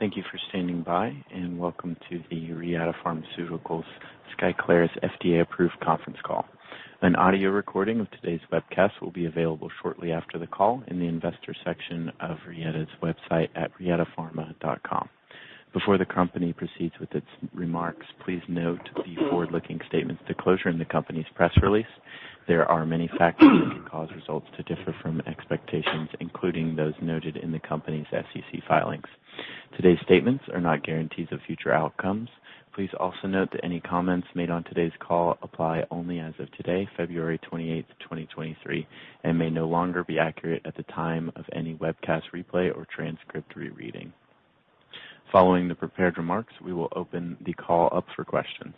Thank you for standing by, and welcome to the Reata Pharmaceuticals SKYCLARYS FDA-Approved Conference Call. An audio recording of today's webcast will be available shortly after the call in the investor section of Reata's website at reatapharma.com. Before the company proceeds with its remarks, please note the forward-looking statements disclosure in the company's press release. There are many factors that could cause results to differ from expectations, including those noted in the company's SEC filings. Today's statements are not guarantees of future outcomes. Please also note that any comments made on today's call apply only as of today, February 28th, 2023, and may no longer be accurate at the time of any webcast replay or transcript rereading. Following the prepared remarks, we will open the call up for questions.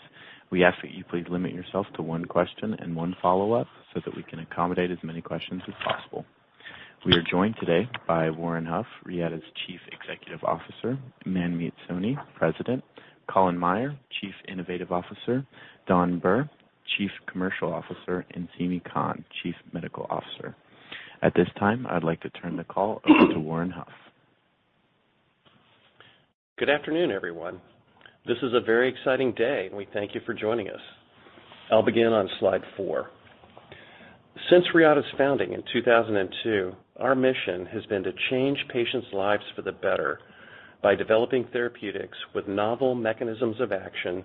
We ask that you please limit yourself to one question and one follow-up so that we can accommodate as many questions as possible. We are joined today by Warren Huff, Reata's Chief Executive Officer, Manmeet Soni, President, Colin Meyer, Chief Innovation Officer, Dawn Bir, Chief Commercial Officer, and Seemi Khan, Chief Medical Officer. At this time, I'd like to turn the call over to Warren Huff. Good afternoon, everyone. This is a very exciting day, we thank you for joining us. I'll begin on slide four. Since Reata's founding in 2002, our mission has been to change patients' lives for the better by developing therapeutics with novel mechanisms of action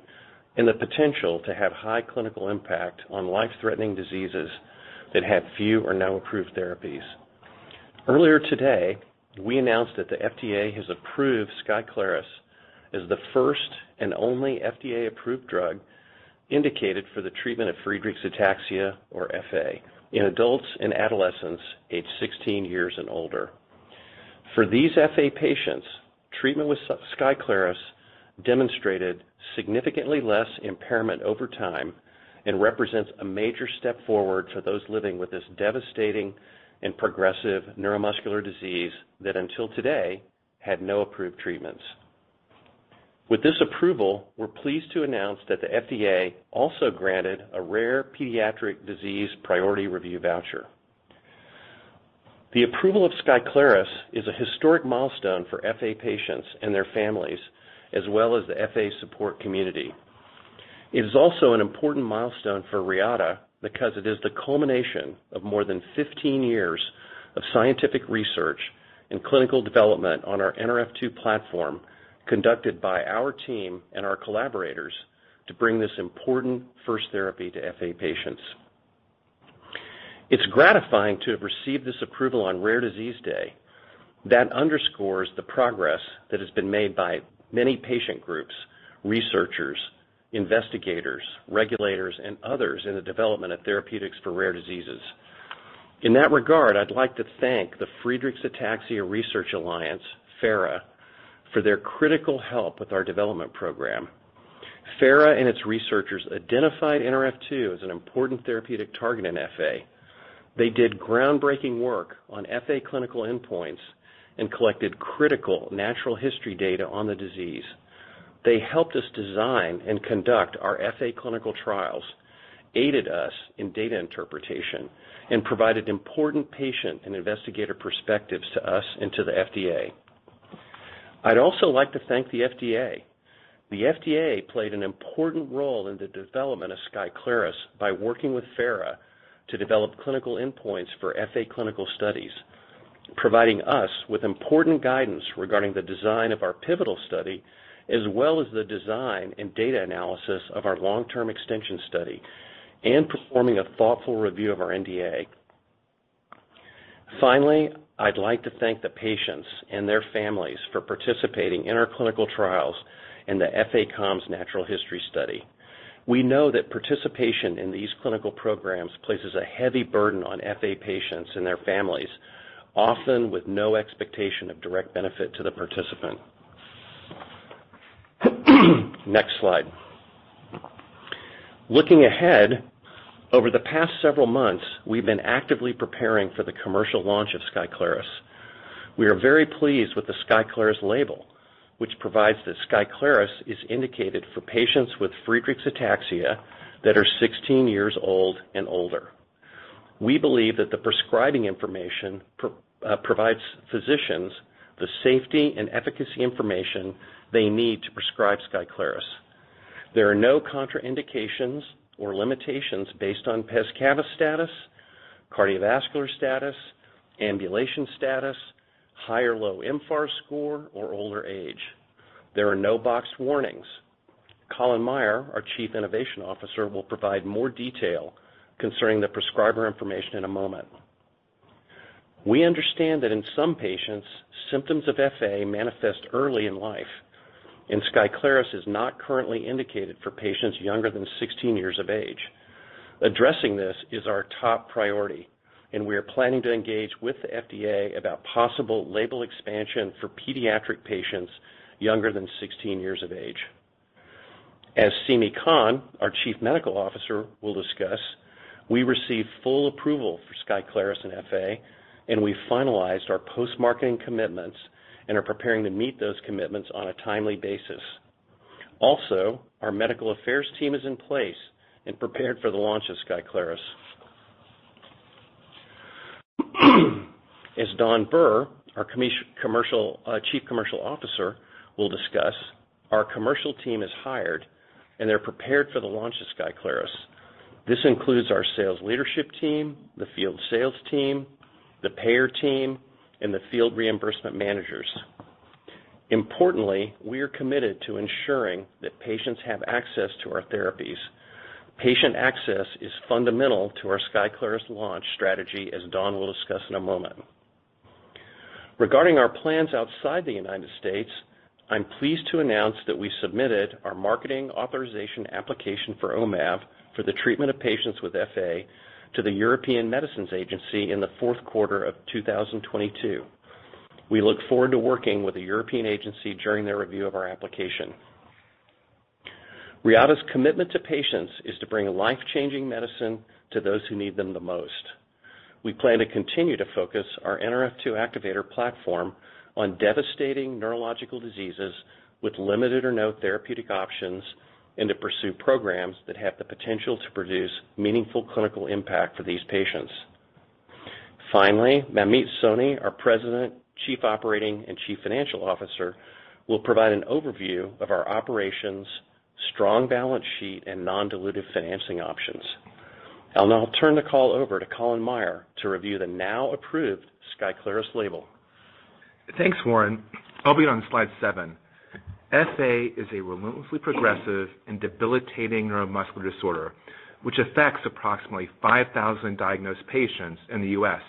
and the potential to have high clinical impact on life-threatening diseases that have few or no approved therapies. Earlier today, we announced that the FDA has approved SKYCLARYS as the first and only FDA-approved drug indicated for the treatment of Friedreich's ataxia, or FA, in adults and adolescents aged 16 years and older. For these FA patients, treatment with SKYCLARYS demonstrated significantly less impairment over time and represents a major step forward for those living with this devastating and progressive neuromuscular disease that, until today, had no approved treatments. With this approval, we're pleased to announce that the FDA also granted a rare pediatric disease priority review voucher. The approval of SKYCLARYS is a historic milestone for FA patients and their families, as well as the FA support community. It is also an important milestone for Reata because it is the culmination of more than 15 years of scientific research and clinical development on our Nrf2 platform, conducted by our team and our collaborators to bring this important first therapy to FA patients. It's gratifying to have received this approval on Rare Disease Day that underscores the progress that has been made by many patient groups, researchers, investigators, regulators, and others in the development of therapeutics for rare diseases. In that regard, I'd like to thank the Friedreich's Ataxia Research Alliance, FARA, for their critical help with our development program. FARA and its researchers identified Nrf2 as an important therapeutic target in FA. They did groundbreaking work on FA clinical endpoints and collected critical natural history data on the disease. They helped us design and conduct our FA clinical trials, aided us in data interpretation, and provided important patient and investigator perspectives to us and to the FDA. I'd also like to thank the FDA. The FDA played an important role in the development of SKYCLARYS by working with FARA to develop clinical endpoints for FA clinical studies, providing us with important guidance regarding the design of our pivotal study, as well as the design and data analysis of our long-term extension study, and performing a thoughtful review of our NDA. Finally, I'd like to thank the patients and their families for participating in our clinical trials and the FACOMS natural history study. We know that participation in these clinical programs places a heavy burden on FA patients and their families, often with no expectation of direct benefit to the participant. Next slide. Looking ahead, over the past several months, we've been actively preparing for the commercial launch of SKYCLARYS. We are very pleased with the SKYCLARYS label, which provides that SKYCLARYS is indicated for patients with Friedreich's ataxia that are 16 years old and older. We believe that the prescribing information provides physicians the safety and efficacy information they need to prescribe SKYCLARYS. There are no contraindications or limitations based on pes cavus status, cardiovascular status, ambulation status, high or low mFARS score, or older age. There are no box warnings. Colin Meyer, our Chief Innovation Officer, will provide more detail concerning the prescriber information in a moment. We understand that in some patients, symptoms of FA manifest early in life, and SKYCLARYS is not currently indicated for patients younger than 16 years of age. Addressing this is our top priority, and we are planning to engage with the FDA about possible label expansion for pediatric patients younger than 16 years of age. As Seemi Khan, our Chief Medical Officer, will discuss, we received full approval for SKYCLARYS and FA, and we finalized our post-marketing commitments and are preparing to meet those commitments on a timely basis. Our medical affairs team is in place and prepared for the launch of SKYCLARYS. As Dawn Bir, our Chief Commercial Officer, will discuss, our commercial team is hired, and they're prepared for the launch of SKYCLARYS. This includes our sales leadership team, the field sales team, the payer team, and the field reimbursement managers. Importantly, we are committed to ensuring that patients have access to our therapies. Patient access is fundamental to our SKYCLARYS launch strategy, as Dawn will discuss in a moment. Regarding our plans outside the United States, I'm pleased to announce that we submitted our marketing authorization application for Omav for the treatment of patients with FA to the European Medicines Agency in the fourth quarter of 2022. We look forward to working with the European agency during their review of our application. Reata's commitment to patients is to bring life-changing medicine to those who need them the most. We plan to continue to focus our Nrf2 activator platform on devastating neurological diseases with limited or no therapeutic options, and to pursue programs that have the potential to produce meaningful clinical impact for these patients. Manmeet Soni, our President, Chief Operating and Chief Financial Officer, will provide an overview of our operations, strong balance sheet, and non-dilutive financing options. I'll now turn the call over to Colin Meyer to review the now approved SKYCLARYS label. Thanks, Warren. I'll be on slide seven. FA is a relentlessly progressive and debilitating neuromuscular disorder, which affects approximately 5,000 diagnosed patients in the U.S.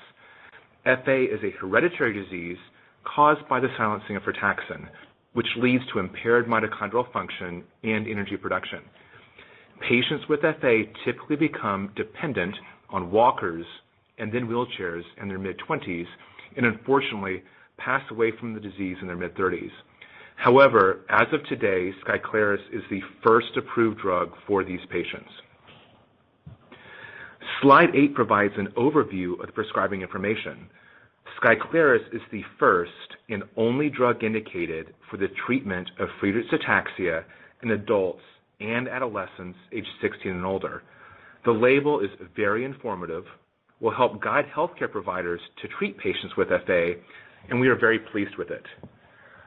FA is a hereditary disease caused by the silencing of frataxin, which leads to impaired mitochondrial function and energy production. Patients with FA typically become dependent on walkers and then wheelchairs in their mid-20s, and unfortunately pass away from the disease in their mid-30s. However, as of today, SKYCLARYS is the first approved drug for these patients. Slide eight provides an overview of the prescribing information. SKYCLARYS is the first and only drug indicated for the treatment of Friedreich's ataxia in adults and adolescents aged 16 and older. The label is very informative, will help guide healthcare providers to treat patients with FA, and we are very pleased with it.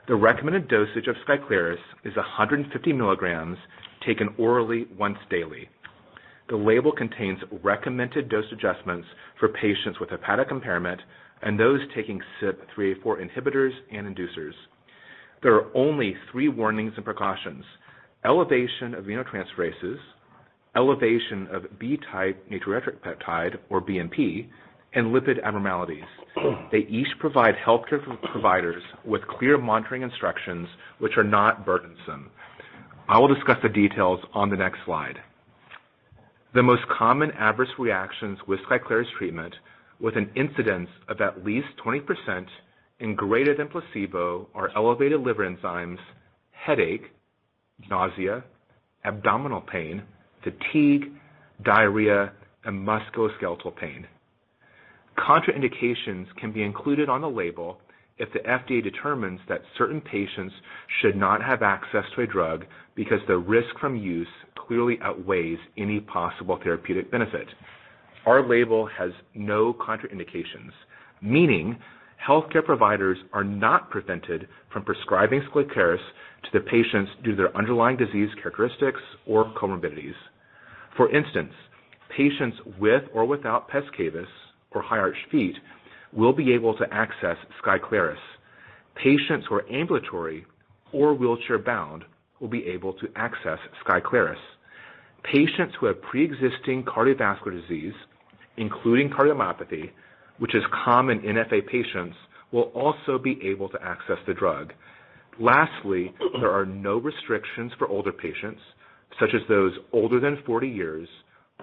The recommended dosage of SKYCLARYS is 150 mg taken orally once daily. The label contains recommended dose adjustments for patients with hepatic impairment and those taking CYP3A4 inhibitors and inducers. There are only three warnings and precautions: elevation of aminotransferases, elevation of B-type natriuretic peptide or BNP, and lipid abnormalities. They each provide healthcare providers with clear monitoring instructions which are not burdensome. I will discuss the details on the next slide. The most common adverse reactions with SKYCLARYS treatment, with an incidence of at least 20% and greater than placebo, are elevated liver enzymes, headache, nausea, abdominal pain, fatigue, diarrhea, and musculoskeletal pain. Contraindications can be included on the label if the FDA determines that certain patients should not have access to a drug because the risk from use clearly outweighs any possible therapeutic benefit. Our label has no contraindications, meaning healthcare providers are not prevented from prescribing SKYCLARYS to their patients due to their underlying disease characteristics or comorbidities. For instance, patients with or without pes cavus or high-arched feet will be able to access SKYCLARYS. Patients who are ambulatory or wheelchair-bound will be able to access SKYCLARYS. Patients who have pre-existing cardiovascular disease, including cardiomyopathy, which is common in FA patients, will also be able to access the drug. There are no restrictions for older patients, such as those older than 40 years,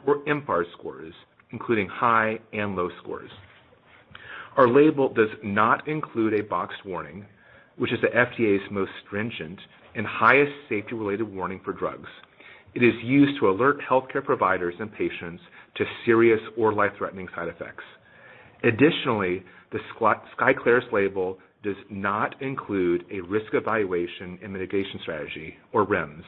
or mFARS scores, including high and low scores. Our label does not include a boxed warning, which is the FDA's most stringent and highest safety-related warning for drugs. It is used to alert healthcare providers and patients to serious or life-threatening side effects. The SKYCLARYS label does not include a risk evaluation and mitigation strategy or REMS.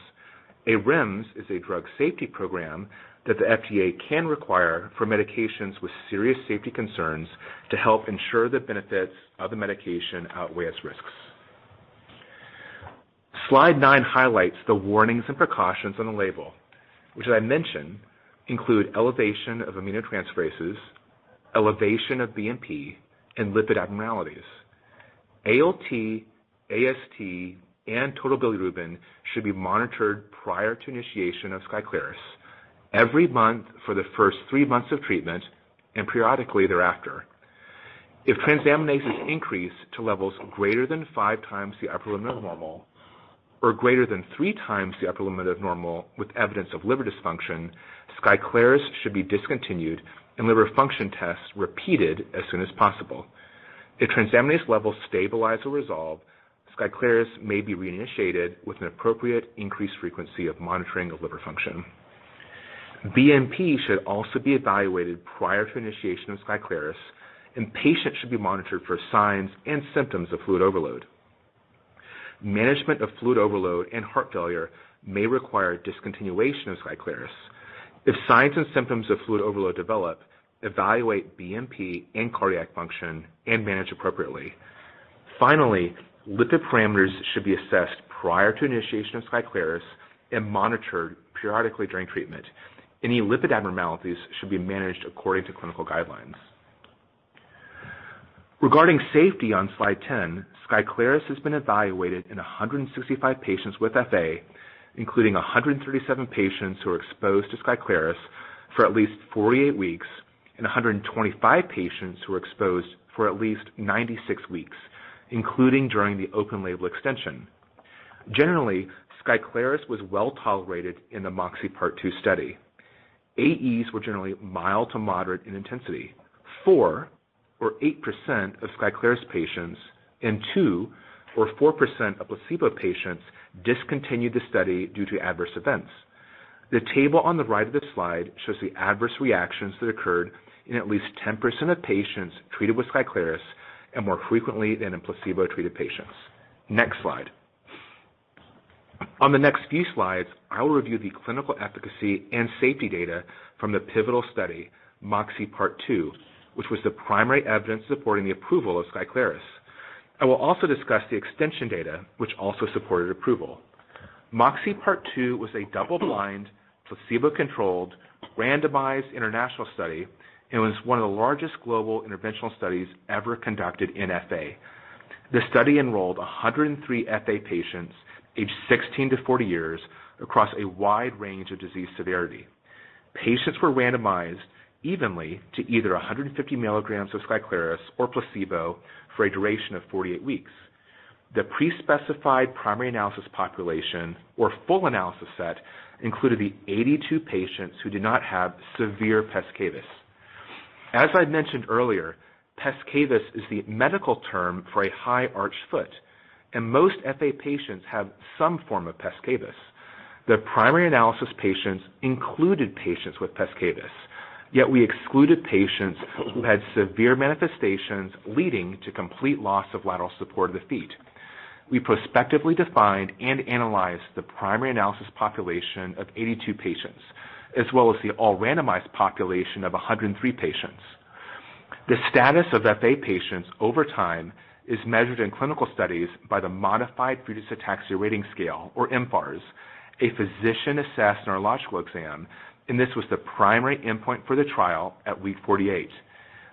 A REMS is a drug safety program that the FDA can require for medications with serious safety concerns to help ensure the benefits of the medication outweigh its risks. Slide nine highlights the warnings and precautions on the label, which, as I mentioned, include elevation of aminotransferases, elevation of BMP, and lipid abnormalities. ALT, AST, and total bilirubin should be monitored prior to initiation of SKYCLARYS every month for the first three months of treatment and periodically thereafter. If transaminases increase to levels greater than 5x the upper limit of normal or greater than 3x the upper limit of normal with evidence of liver dysfunction, SKYCLARYS should be discontinued and liver function tests repeated as soon as possible. If transaminase levels stabilize or resolve, SKYCLARYS may be reinitiated with an appropriate increased frequency of monitoring of liver function. BNP should also be evaluated prior to initiation of SKYCLARYS, and patients should be monitored for signs and symptoms of fluid overload. Management of fluid overload and heart failure may require discontinuation of SKYCLARYS. If signs and symptoms of fluid overload develop, evaluate BNP and cardiac function and manage appropriately. Finally, lipid parameters should be assessed prior to initiation of SKYCLARYS and monitored periodically during treatment. Any lipid abnormalities should be managed according to clinical guidelines. Regarding safety on slide 10, SKYCLARYS has been evaluated in 165 patients with FA, including 137 patients who are exposed to SKYCLARYS for at least 48 weeks and 125 patients who are exposed for at least 96 weeks, including during the open label extension. Generally, SKYCLARYS was well tolerated in the MOXIe Part 2 study. AEs were generally mild to moderate in intensity. Four or 8% of SKYCLARYS patients and two or 4% of placebo patients discontinued the study due to adverse events. The table on the right of this slide shows the adverse reactions that occurred in at least 10% of patients treated with SKYCLARYS and more frequently than in placebo-treated patients. Next slide. On the next few slides, I will review the clinical efficacy and safety data from the pivotal study MOXIe Part 2, which was the primary evidence supporting the approval of SKYCLARYS. I will also discuss the extension data which also supported approval. MOXIe Part 2 was a double-blind, placebo-controlled, randomized international study and was one of the largest global interventional studies ever conducted in FA. The study enrolled 103 FA patients aged 16 years-40 years across a wide range of disease severity. Patients were randomized evenly to either 150 mg of SKYCLARYS or placebo for a duration of 48 weeks. The pre-specified primary analysis population or full analysis set included the 82 patients who did not have severe pes cavus. As I mentioned earlier, pes cavus is the medical term for a high-arched foot, and most FA patients have some form of pes cavus. The primary analysis patients included patients with pes cavus, yet we excluded patients who had severe manifestations leading to complete loss of lateral support of the feet. We prospectively defined and analyzed the primary analysis population of 82 patients as well as the all randomized population of 103 patients. The status of FA patients over time is measured in clinical studies by the Modified Friedreich's Ataxia Rating Scale or mFARS, a physician-assessed neurological exam. This was the primary endpoint for the trial at week 48.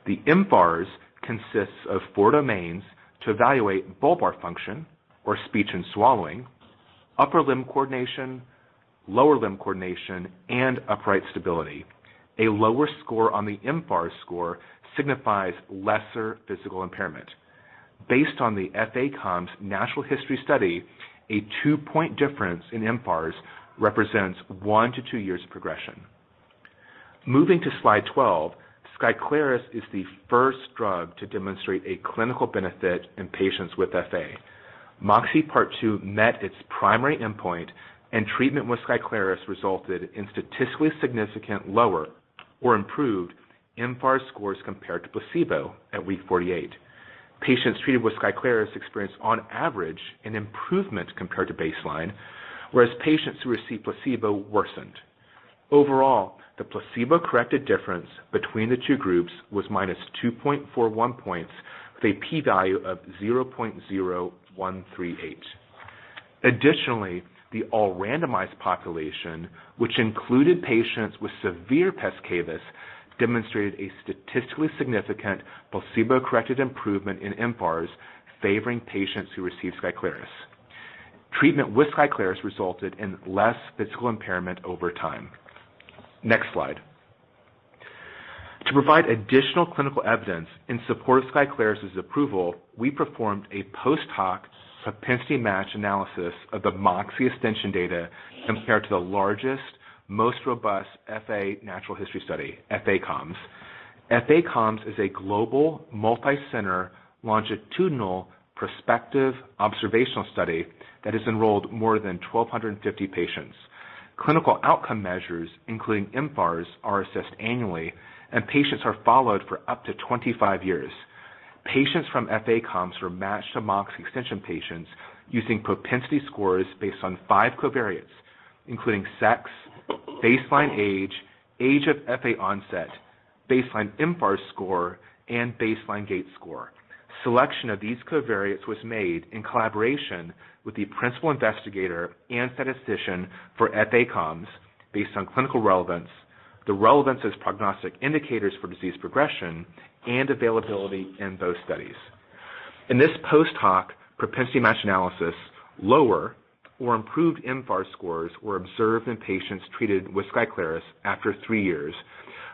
The mFARS consists of four domains to evaluate bulbar function or speech and swallowing, upper limb coordination, lower limb coordination, and upright stability. A lower score on the mFARS score signifies lesser physical impairment. Based on the FACOMS natural history study, a 2-point difference in mFARS represents 1 year-2 years of progression. Moving to slide 12. SKYCLARYS is the first drug to demonstrate a clinical benefit in patients with FA. MOXIe Part 2 met its primary endpoint. Treatment with SKYCLARYS resulted in statistically significant lower or improved mFARS scores compared to placebo at week 48. Patients treated with SKYCLARYS experienced on average an improvement compared to baseline, whereas patients who received placebo worsened. Overall, the placebo-corrected difference between the two groups was -2.41 points with a p-value of 0.0138. Additionally, the all randomized population, which included patients with severe pes cavus, demonstrated a statistically significant placebo-corrected improvement in mFARS favoring patients who received SKYCLARYS. Treatment with SKYCLARYS resulted in less physical impairment over time. Next slide. To provide additional clinical evidence in support of SKYCLARYS's approval, we performed a post-hoc propensity-matched analysis of the MOXIe extension data compared to the largest, most robust FA natural history study, FA-COMS. FA-COMS is a global multi-center longitudinal prospective observational study that has enrolled more than 1,250 patients. Clinical outcome measures, including mFARS, are assessed annually, and patients are followed for up to 25 years. Patients from FACOMS were matched to MOXIe extension patients using propensity scores based on five covariates, including sex, baseline age of FA onset, baseline mFARS score, and baseline gait score. Selection of these covariates was made in collaboration with the principal investigator and statistician for FACOMS based on clinical relevance, the relevance as prognostic indicators for disease progression, and availability in both studies. In this post-hoc propensity-matched analysis, lower or improved mFARS scores were observed in patients treated with SKYCLARYS after three years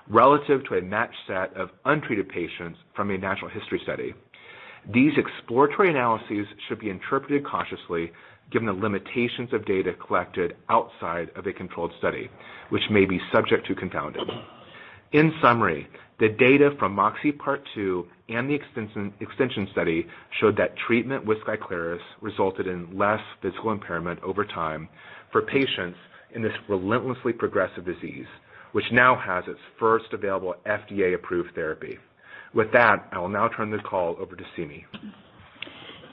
relative to a matched set of untreated patients from a natural history study. These exploratory analyses should be interpreted cautiously given the limitations of data collected outside of a controlled study which may be subject to confounding. In summary, the data from MOXIe Part 2 and the extension study showed that treatment with SKYCLARYS resulted in less physical impairment over time for patients in this relentlessly progressive disease, which now has its first available FDA-approved therapy. With that, I will now turn the call over to Seemi.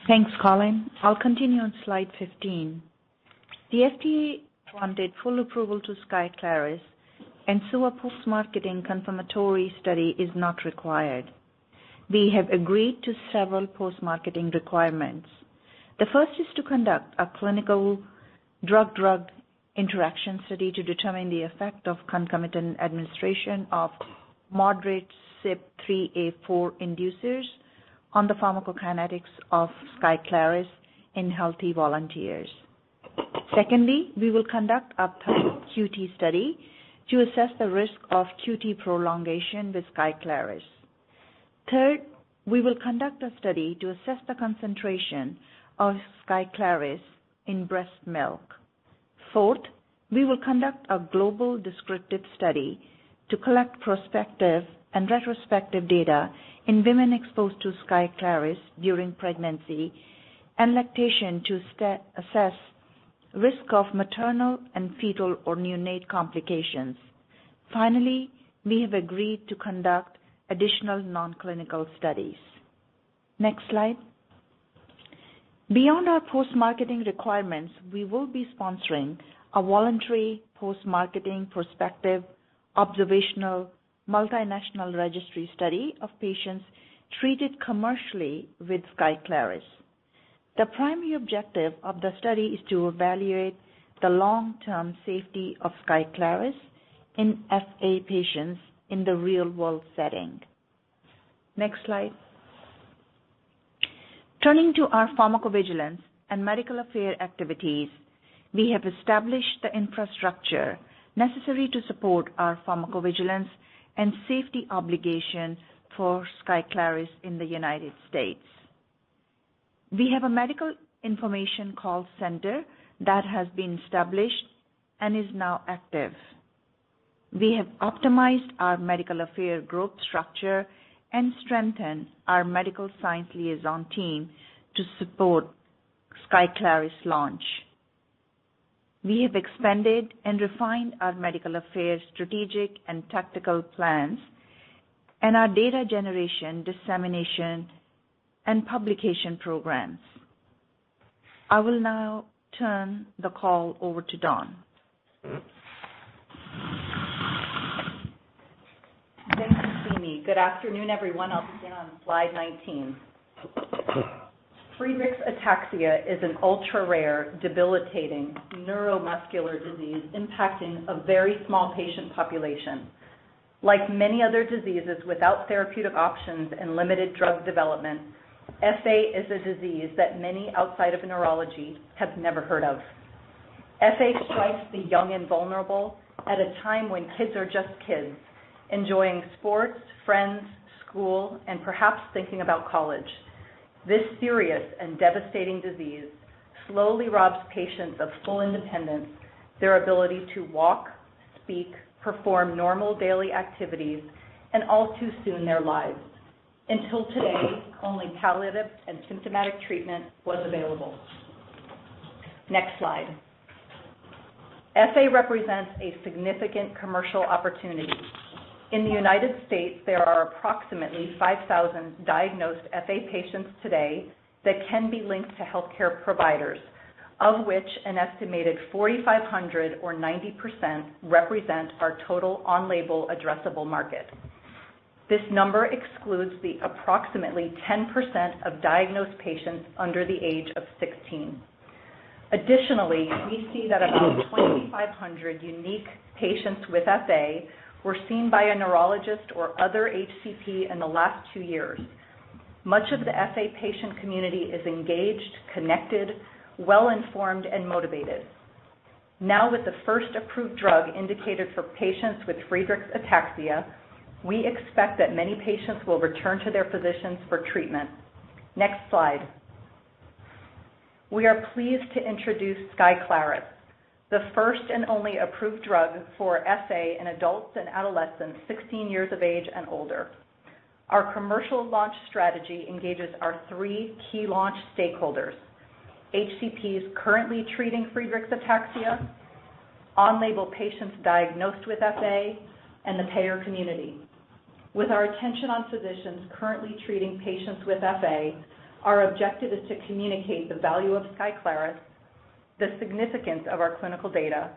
Thanks, Colin. I'll continue on slide 15. The FDA granted full approval to SKYCLARYS, a post-marketing confirmatory study is not required. We have agreed to several post-marketing requirements. The first is to conduct a clinical drug-drug interaction study to determine the effect of concomitant administration of moderate CYP3A4 inducers on the pharmacokinetics of SKYCLARYS in healthy volunteers. Secondly, we will conduct a QT study to assess the risk of QT prolongation with SKYCLARYS. Third, we will conduct a study to assess the concentration of SKYCLARYS in breast milk. Fourth, we will conduct a global descriptive study to collect prospective and retrospective data in women exposed to SKYCLARYS during pregnancy and lactation to assess risk of maternal and fetal or neonate complications. Finally, we have agreed to conduct additional non-clinical studies. Next slide. Beyond our post-marketing requirements, we will be sponsoring a voluntary post-marketing prospective observational multinational registry study of patients treated commercially with SKYCLARYS. The primary objective of the study is to evaluate the long-term safety of SKYCLARYS in FA patients in the real-world setting. Next slide. Turning to our pharmacovigilance and medical affair activities, we have established the infrastructure necessary to support our pharmacovigilance and safety obligation for SKYCLARYS in the United States. We have a medical information call center that has been established and is now active. We have optimized our medical affair growth structure and strengthened our medical science liaison team to support SKYCLARYS launch. We have expanded and refined our medical affairs strategic and tactical plans and our data generation, dissemination, and publication programs. I will now turn the call over to Dawn. Thanks, Seemi. Good afternoon, everyone. I'll begin on slide 19. Friedreich's ataxia is an ultra-rare, debilitating neuromuscular disease impacting a very small patient population. Like many other diseases without therapeutic options and limited drug development, FA is a disease that many outside of neurology have never heard of. FA strikes the young and vulnerable at a time when kids are just kids, enjoying sports, friends, school, and perhaps thinking about college. This serious and devastating disease slowly robs patients of full independence, their ability to walk, speak, perform normal daily activities, and all too soon, their lives. Until today, only palliative and symptomatic treatment was available. Next slide. FA represents a significant commercial opportunity. In the U.S., there are approximately 5,000 diagnosed FA patients today that can be linked to healthcare providers, of which an estimated 4,500 or 90% represent our total on-label addressable market. This number excludes the approximately 10% of diagnosed patients under the age of 16. Additionally, we see that about 2,500 unique patients with FA were seen by a neurologist or other HCP in the last two years. Much of the FA patient community is engaged, connected, well-informed, and motivated. Now, with the first approved drug indicated for patients with Friedreich's ataxia, we expect that many patients will return to their physicians for treatment. Next slide. We are pleased to introduce SKYCLARYS, the first and only approved drug for FA in adults and adolescents 16 years of age and older. Our commercial launch strategy engages our three key launch stakeholders: HCPs currently treating Friedreich's ataxia, on-label patients diagnosed with FA, and the payer community. With our attention on physicians currently treating patients with FA, our objective is to communicate the value of SKYCLARYS, the significance of our clinical data,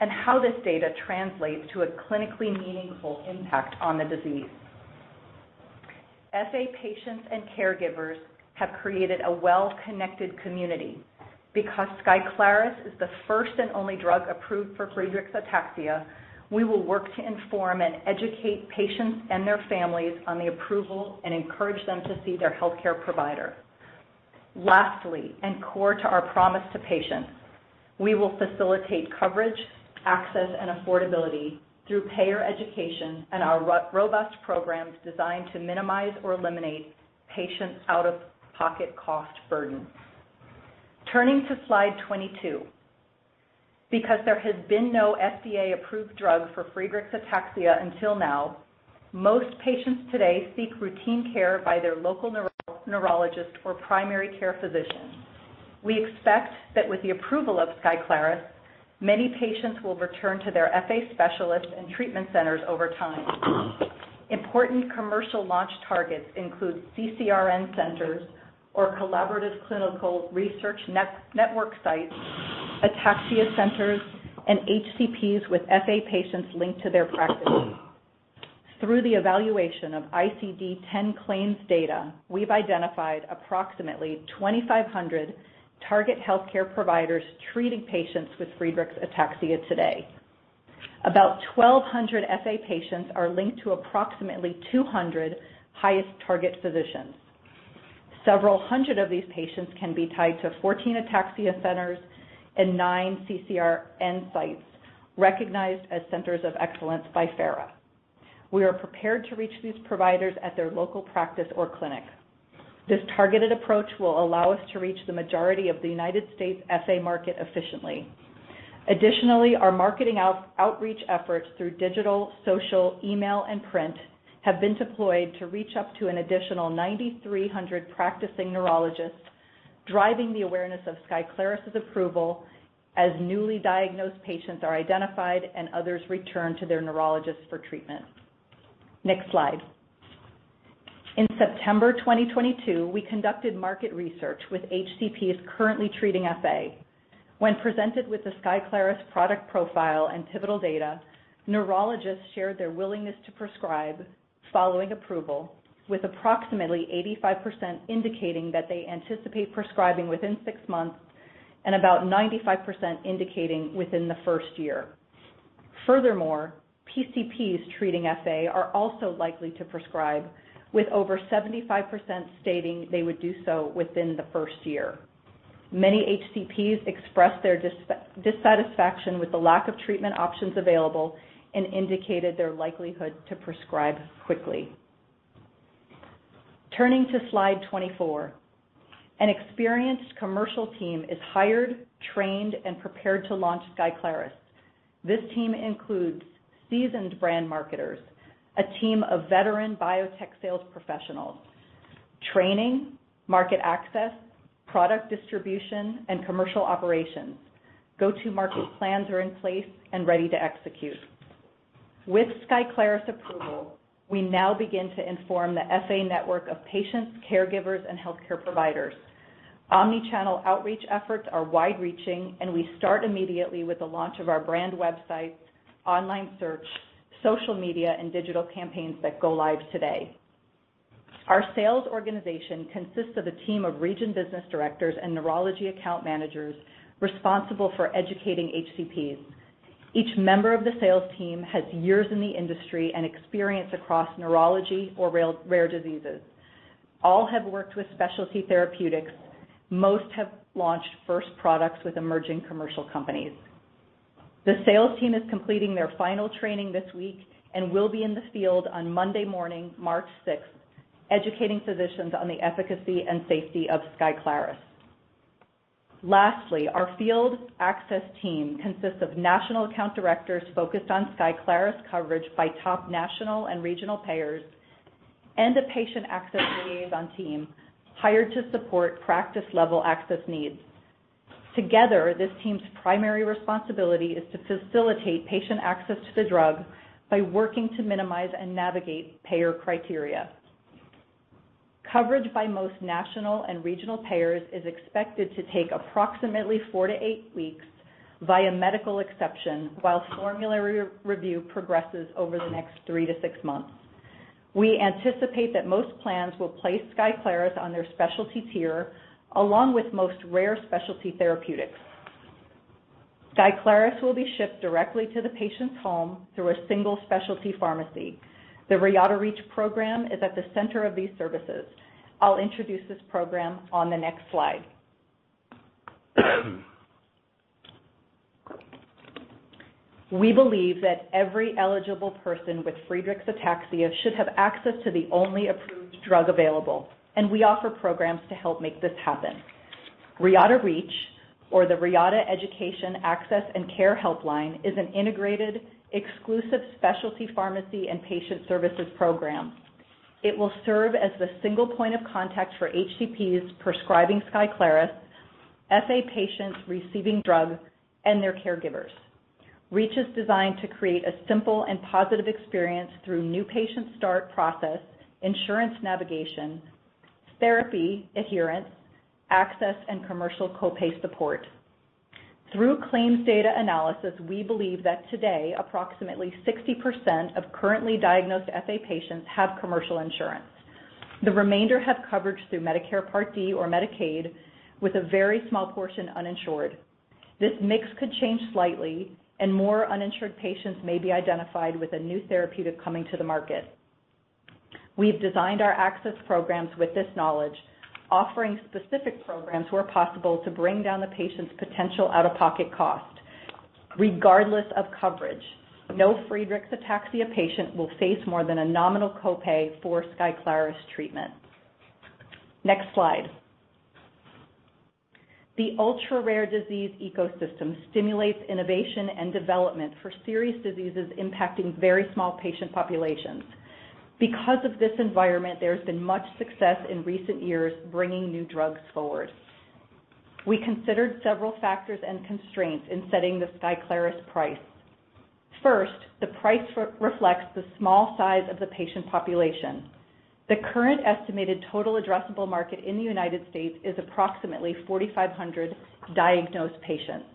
and how this data translates to a clinically meaningful impact on the disease. FA patients and caregivers have created a well-connected community. Because SKYCLARYS is the first and only drug approved for Friedreich's ataxia, we will work to inform and educate patients and their families on the approval and encourage them to see their healthcare provider. Lastly, and core to our promise to patients, we will facilitate coverage, access, and affordability through payer education and our robust programs designed to minimize or eliminate patient out-of-pocket cost burden. Turning to slide 22. Because there has been no FDA-approved drug for Friedreich's ataxia until now, most patients today seek routine care by their local neurologist or primary care physician. We expect that with the approval of SKYCLARYS, many patients will return to their FA specialists and treatment centers over time. Important commercial launch targets include CCRN centers or collaborative clinical research network sites, ataxia centers, and HCPs with FA patients linked to their practice. Through the evaluation of ICD-10 claims data, we've identified approximately 2,500 target healthcare providers treating patients with Friedreich's ataxia today. About 1,200 FA patients are linked to approximately 200 highest target physicians. Several hundred of these patients can be tied to 14 ataxia centers and nine CCRN sites recognized as centers of excellence by FARA. We are prepared to reach these providers at their local practice or clinic. This targeted approach will allow us to reach the majority of the United States FA market efficiently. Additionally, our marketing outreach efforts through digital, social, email, and print have been deployed to reach up to an additional 9,300 practicing neurologists, driving the awareness of SKYCLARYS' approval as newly diagnosed patients are identified and others return to their neurologists for treatment. Next slide. In September 2022, we conducted market research with HCPs currently treating FA. When presented with the SKYCLARYS product profile and pivotal data, neurologists shared their willingness to prescribe following approval, with approximately 85% indicating that they anticipate prescribing within six months and about 95% indicating within the first year. Furthermore, PCPs treating FA are also likely to prescribe, with over 75% stating they would do so within the first year. Many HCPs expressed their dissatisfaction with the lack of treatment options available and indicated their likelihood to prescribe quickly. Turning to slide 24. An experienced commercial team is hired, trained, and prepared to launch SKYCLARYS. This team includes seasoned brand marketers, a team of veteran biotech sales professionals, training, market access, product distribution, and commercial operations. Go-to-market plans are in place and ready to execute. With SKYCLARYS approval, we now begin to inform the FA network of patients, caregivers, and healthcare providers. Omnichannel outreach efforts are wide-reaching, we start immediately with the launch of our brand websites, online search, social media, and digital campaigns that go live today. Our sales organization consists of a team of region business directors and neurology account managers responsible for educating HCPs. Each member of the sales team has years in the industry and experience across neurology or rare diseases. All have worked with specialty therapeutics. Most have launched first products with emerging commercial companies. The sales team is completing their final training this week and will be in the field on Monday morning, March 6th, educating physicians on the efficacy and safety of SKYCLARYS. Lastly, our field access team consists of national account directors focused on SKYCLARYS coverage by top national and regional payers and a patient access liaison team hired to support practice-level access needs. Together, this team's primary responsibility is to facilitate patient access to the drug by working to minimize and navigate payer criteria. Coverage by most national and regional payers is expected to take approximately 4 weeks-8 weeks via medical exception while formulary re-review progresses over the next 3 months-6 months. We anticipate that most plans will place SKYCLARYS on their specialty tier along with most rare specialty therapeutics. SKYCLARYS will be shipped directly to the patient's home through a single specialty pharmacy. The Reata REACH program is at the center of these services. I'll introduce this program on the next slide. We believe that every eligible person with Friedreich's ataxia should have access to the only approved drug available, and we offer programs to help make this happen. Reata REACH, or the Reata Education, Access, and Care Helpline, is an integrated exclusive specialty pharmacy and patient services program. It will serve as the single point of contact for HCPs prescribing SKYCLARYS, FA patients receiving drugs, and their caregivers. REACH is designed to create a simple and positive experience through new patient start process, insurance navigation, therapy adherence, access, and commercial co-pay support. Through claims data analysis, we believe that today approximately 60% of currently diagnosed FA patients have commercial insurance. The remainder have coverage through Medicare Part D or Medicaid, with a very small portion uninsured. This mix could change slightly, and more uninsured patients may be identified with a new therapeutic coming to the market. We've designed our access programs with this knowledge, offering specific programs where possible to bring down the patient's potential out-of-pocket cost. Regardless of coverage, no Friedreich's ataxia patient will face more than a nominal co-pay for SKYCLARYS treatment. Next slide. The ultra-rare disease ecosystem stimulates innovation and development for serious diseases impacting very small patient populations. Because of this environment, there's been much success in recent years bringing new drugs forward. We considered several factors and constraints in setting the SKYCLARYS price. First, the price re-reflects the small size of the patient population. The current estimated total addressable market in the United States is approximately 4,500 diagnosed patients.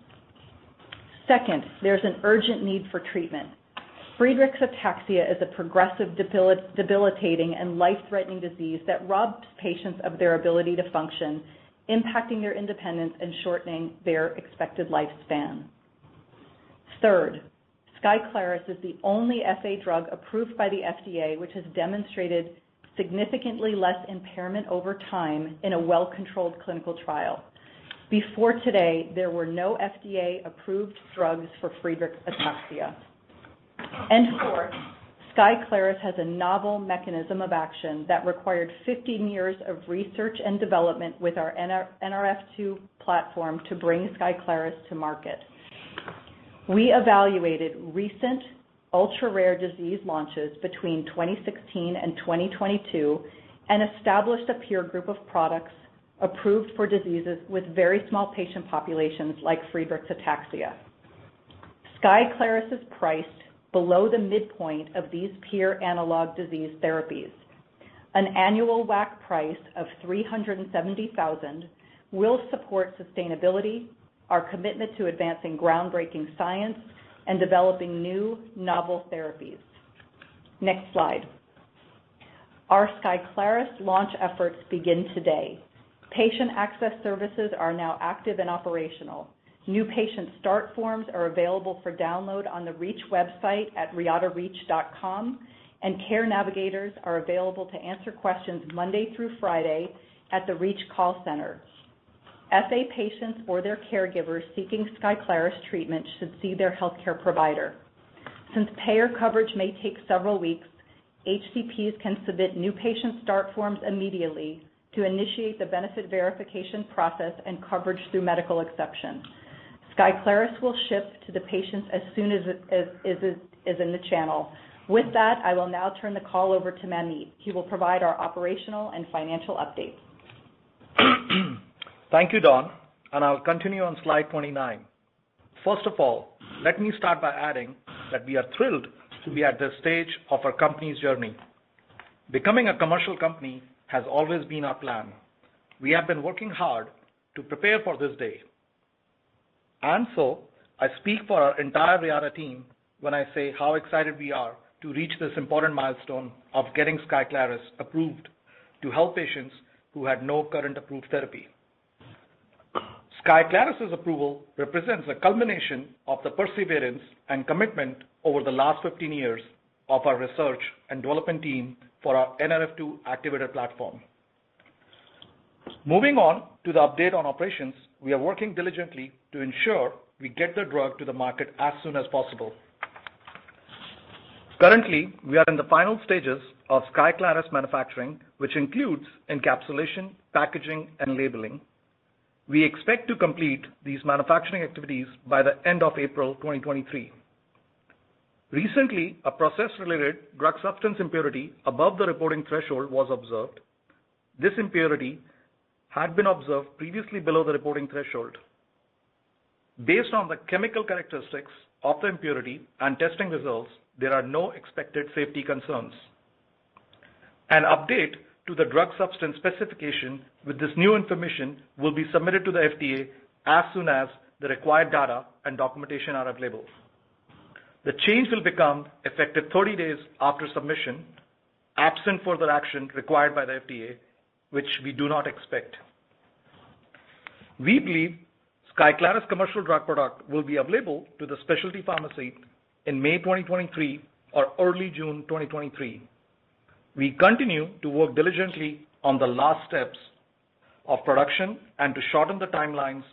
Second, there's an urgent need for treatment. Friedreich's ataxia is a progressive debilitating and life-threatening disease that robs patients of their ability to function, impacting their independence and shortening their expected lifespan. Third, SKYCLARYS is the only FA drug approved by the FDA, which has demonstrated significantly less impairment over time in a well-controlled clinical trial. Before today, there were no FDA-approved drugs for Friedreich's ataxia. Fourth, SKYCLARYS has a novel mechanism of action that required 15 years of research and development with our Nrf2 platform to bring SKYCLARYS to market. We evaluated recent ultra-rare disease launches between 2016 and 2022 and established a peer group of products approved for diseases with very small patient populations like Friedreich's ataxia. SKYCLARYS is priced below the midpoint of these peer analog disease therapies. An annual WAC price of $370,000 will support sustainability, our commitment to advancing groundbreaking science, and developing new novel therapies. Next slide. Our SKYCLARYS launch efforts begin today. Patient access services are now active and operational. New patient start forms are available for download on the Reata REACH website at reatareach.com. Care navigators are available to answer questions Monday through Friday at the Reata REACH call center. FA patients or their caregivers seeking SKYCLARYS treatment should see their healthcare provider. Since payer coverage may take several weeks, HCPs can submit new patient start forms immediately to initiate the benefit verification process and coverage through medical exception. SKYCLARYS will ship to the patients as soon as it is in the channel. With that, I will now turn the call over to Manmeet. He will provide our operational and financial updates. Thank you, Dawn, and I'll continue on slide 29. First of all, let me start by adding that we are thrilled to be at this stage of our company's journey. Becoming a commercial company has always been our plan. We have been working hard to prepare for this day. I speak for our entire Reata team when I say how excited we are to reach this important milestone of getting SKYCLARYS approved to help patients who had no current approved therapy. SKYCLARYS' approval represents a culmination of the perseverance and commitment over the last 15 years of our research and development team for our Nrf2 activator platform. Moving on to the update on operations, we are working diligently to ensure we get the drug to the market as soon as possible. Currently, we are in the final stages of SKYCLARYS manufacturing, which includes encapsulation, packaging, and labeling. We expect to complete these manufacturing activities by the end of April 2023. Recently, a process-related drug substance impurity above the reporting threshold was observed. This impurity had been observed previously below the reporting threshold. Based on the chemical characteristics of the impurity and testing results, there are no expected safety concerns. An update to the drug substance specification with this new information will be submitted to the FDA as soon as the required data and documentation are available. The change will become effective 30 days after submission, absent further action required by the FDA, which we do not expect. We believe SKYCLARYS commercial drug product will be available to the specialty pharmacy in May 2023 or early June 2023. We continue to work diligently on the last steps of production and to shorten the timelines,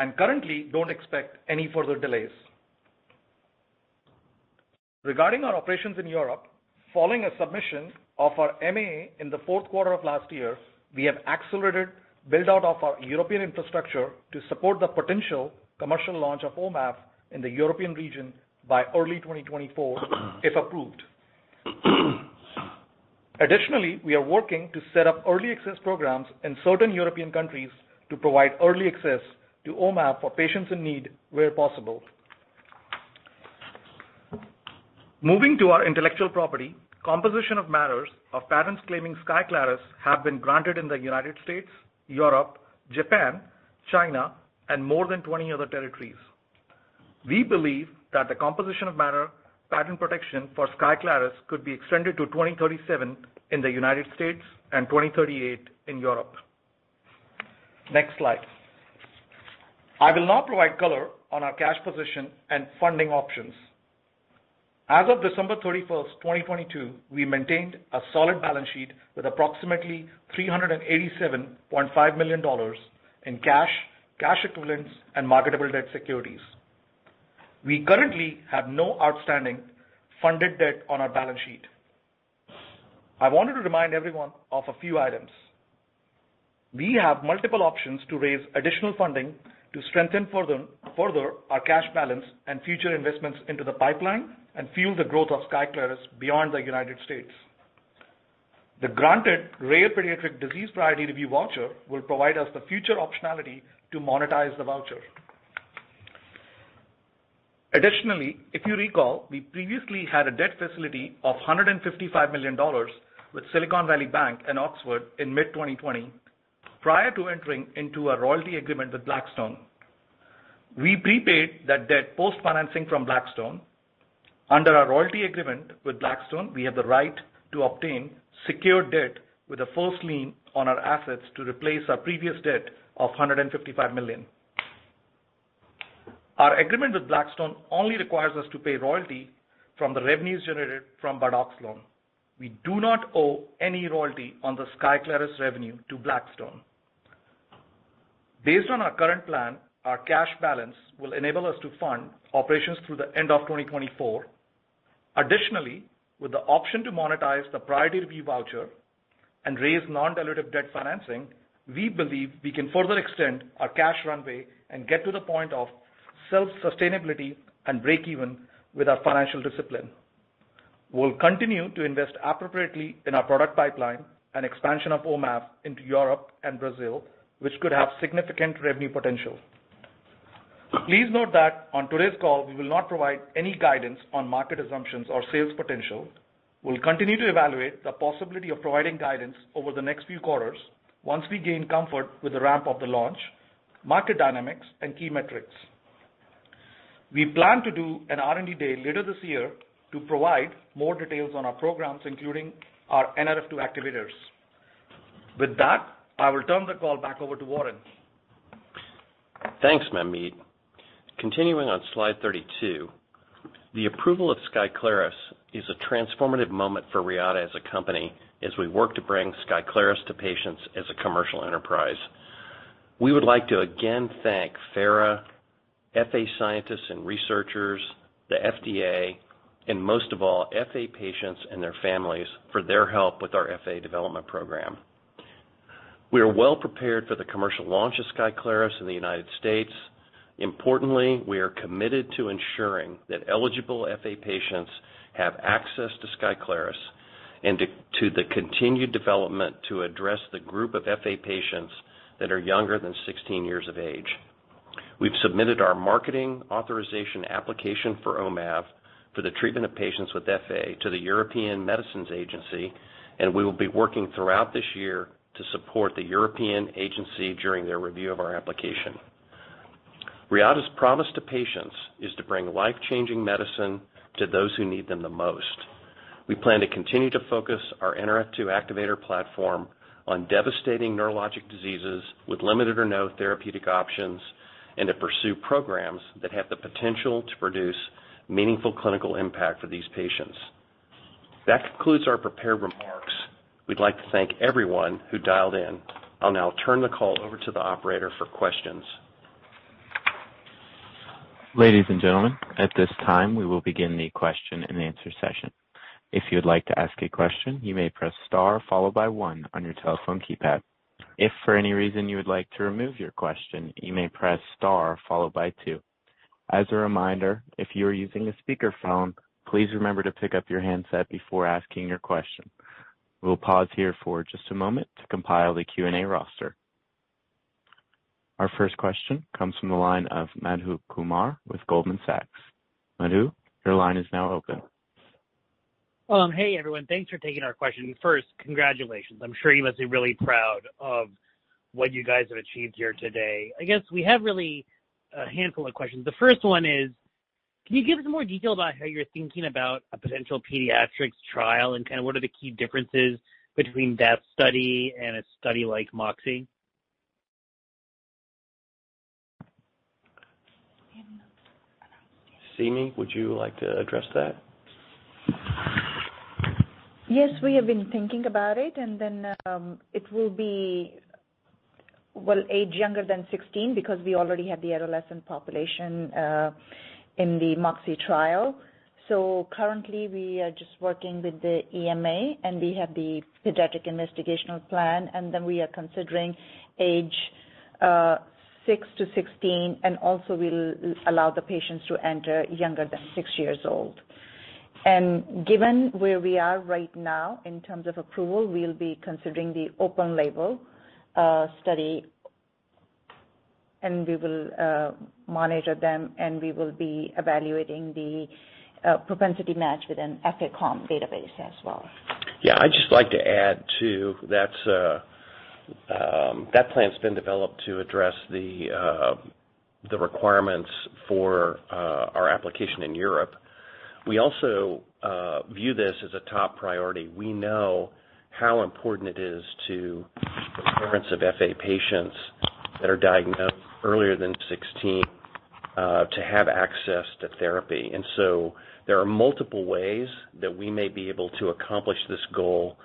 and currently don't expect any further delays. Regarding our operations in Europe, following a submission of our M&A in the fourth quarter of last year, we have accelerated build-out of our European infrastructure to support the potential commercial launch of Omav in the European region by early 2024 if approved. Additionally, we are working to set up early access programs in certain European countries to provide early access to Omav for patients in need where possible. Moving to our intellectual property, composition of matters of patents claiming SKYCLARYS have been granted in the United States, Europe, Japan, China, and more than 20 other territories. We believe that the composition of matter patent protection for SKYCLARYS could be extended to 2037 in the United States and 2038 in Europe. Next slide. I will now provide color on our cash position and funding options. As of December 31st, 2022, we maintained a solid balance sheet with approximately $387.5 million in cash equivalents, and marketable debt securities. We currently have no outstanding funded debt on our balance sheet. I wanted to remind everyone of a few items. We have multiple options to raise additional funding to strengthen further our cash balance and future investments into the pipeline and fuel the growth of SKYCLARYS beyond the United States. The granted rare pediatric disease priority review voucher will provide us the future optionality to monetize the voucher. If you recall, we previously had a debt facility of $155 million with Silicon Valley Bank and Oxford in mid-2020 prior to entering into a royalty agreement with Blackstone. We prepaid that debt post-financing from Blackstone. Under our royalty agreement with Blackstone, we have the right to obtain secured debt with a first lien on our assets to replace our previous debt of $155 million. Our agreement with Blackstone only requires us to pay royalty from the revenues generated from bardoxolone. We do not owe any royalty on the SKYCLARYS revenue to Blackstone. Based on our current plan, our cash balance will enable us to fund operations through the end of 2024. With the option to monetize the priority review voucher and raise non-dilutive debt financing, we believe we can further extend our cash runway and get to the point of self-sustainability and break even with our financial discipline. We'll continue to invest appropriately in our product pipeline and expansion of Omav into Europe and Brazil, which could have significant revenue potential. Please note that on today's call, we will not provide any guidance on market assumptions or sales potential. We'll continue to evaluate the possibility of providing guidance over the next few quarters once we gain comfort with the ramp of the launch, market dynamics, and key metrics. We plan to do an R&D Day later this year to provide more details on our programs, including our Nrf2 activators. With that, I will turn the call back over to Warren. Thanks, Manmeet. Continuing on slide 32, the approval of SKYCLARYS is a transformative moment for Reata as a company as we work to bring SKYCLARYS to patients as a commercial enterprise. We would like to again thank FARA, FA scientists and researchers, the FDA, and most of all, FA patients and their families for their help with our FA development program. We are well prepared for the commercial launch of SKYCLARYS in the United States. Importantly, we are committed to ensuring that eligible FA patients have access to SKYCLARYS and to the continued development to address the group of FA patients that are younger than 16 years of age. We've submitted our marketing authorization application for Omav for the treatment of patients with FA to the European Medicines Agency, and we will be working throughout this year to support the European agency during their review of our application. Reata's promise to patients is to bring life-changing medicine to those who need them the most. We plan to continue to focus our Nrf2 activator platform on devastating neurologic diseases with limited or no therapeutic options, and to pursue programs that have the potential to produce meaningful clinical impact for these patients. That concludes our prepared remarks. We'd like to thank everyone who dialed in. I'll now turn the call over to the operator for questions. Ladies and gentlemen, at this time, we will begin the question-and-answer session. If you would like to ask a question, you may press star followed by one on your telephone keypad. If for any reason you would like to remove your question, you may press star followed by two. As a reminder, if you are using a speakerphone, please remember to pick up your handset before asking your question. We'll pause here for just a moment to compile the Q&A roster. Our first question comes from the line of Madhu Kumar with Goldman Sachs. Madhu, your line is now open. Hey, everyone. Thanks for taking our question. First, congratulations. I'm sure you must be really proud of what you guys have achieved here today. I guess we have really a handful of questions. The first one is, can you give us more detail about how you're thinking about a potential pediatrics trial and kind of what are the key differences between that study and a study like MOXIe? Seemi, would you like to address that? Yes, we have been thinking about it, and then, it will be, well, age younger than 16 because we already have the adolescent population in the MOXIe trial. Currently, we are just working with the EMA, and we have the pediatric investigational plan, and then we are considering age six to 16, and also we'll allow the patients to enter younger than six years old. Given where we are right now in terms of approval, we'll be considering the open label study, and we will monitor them, and we will be evaluating the propensity match within EpiCom database as well. Yeah. I'd just like to add too that that plan's been developed to address the requirements for our application in Europe. We also view this as a top priority. We know how important it is to the parents of FA patients that are diagnosed earlier than 16 to have access to therapy. There are multiple ways that we may be able to accomplish this goal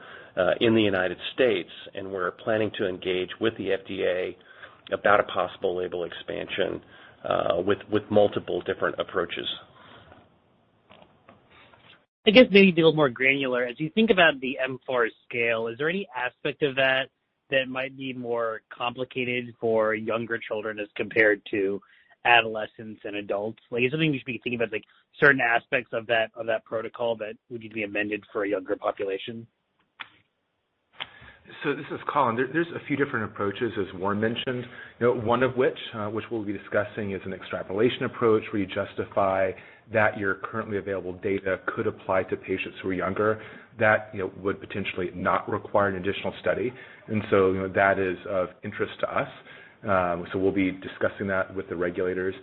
in the United States, and we're planning to engage with the FDA about a possible label expansion with multiple different approaches. I guess maybe a little more granular. As you think about the mFARS scale, is there any aspect of that that might be more complicated for younger children as compared to adolescents and adults? Like, is there anything you should be thinking about, like certain aspects of that, of that protocol that would need to be amended for a younger population? This is Colin. There's a few different approaches, as Warren mentioned. You know, one of which we'll be discussing is an extrapolation approach where you justify that your currently available data could apply to patients who are younger. That, you know, would potentially not require an additional study. You know, that is of interest to us. We'll be discussing that with the regulators.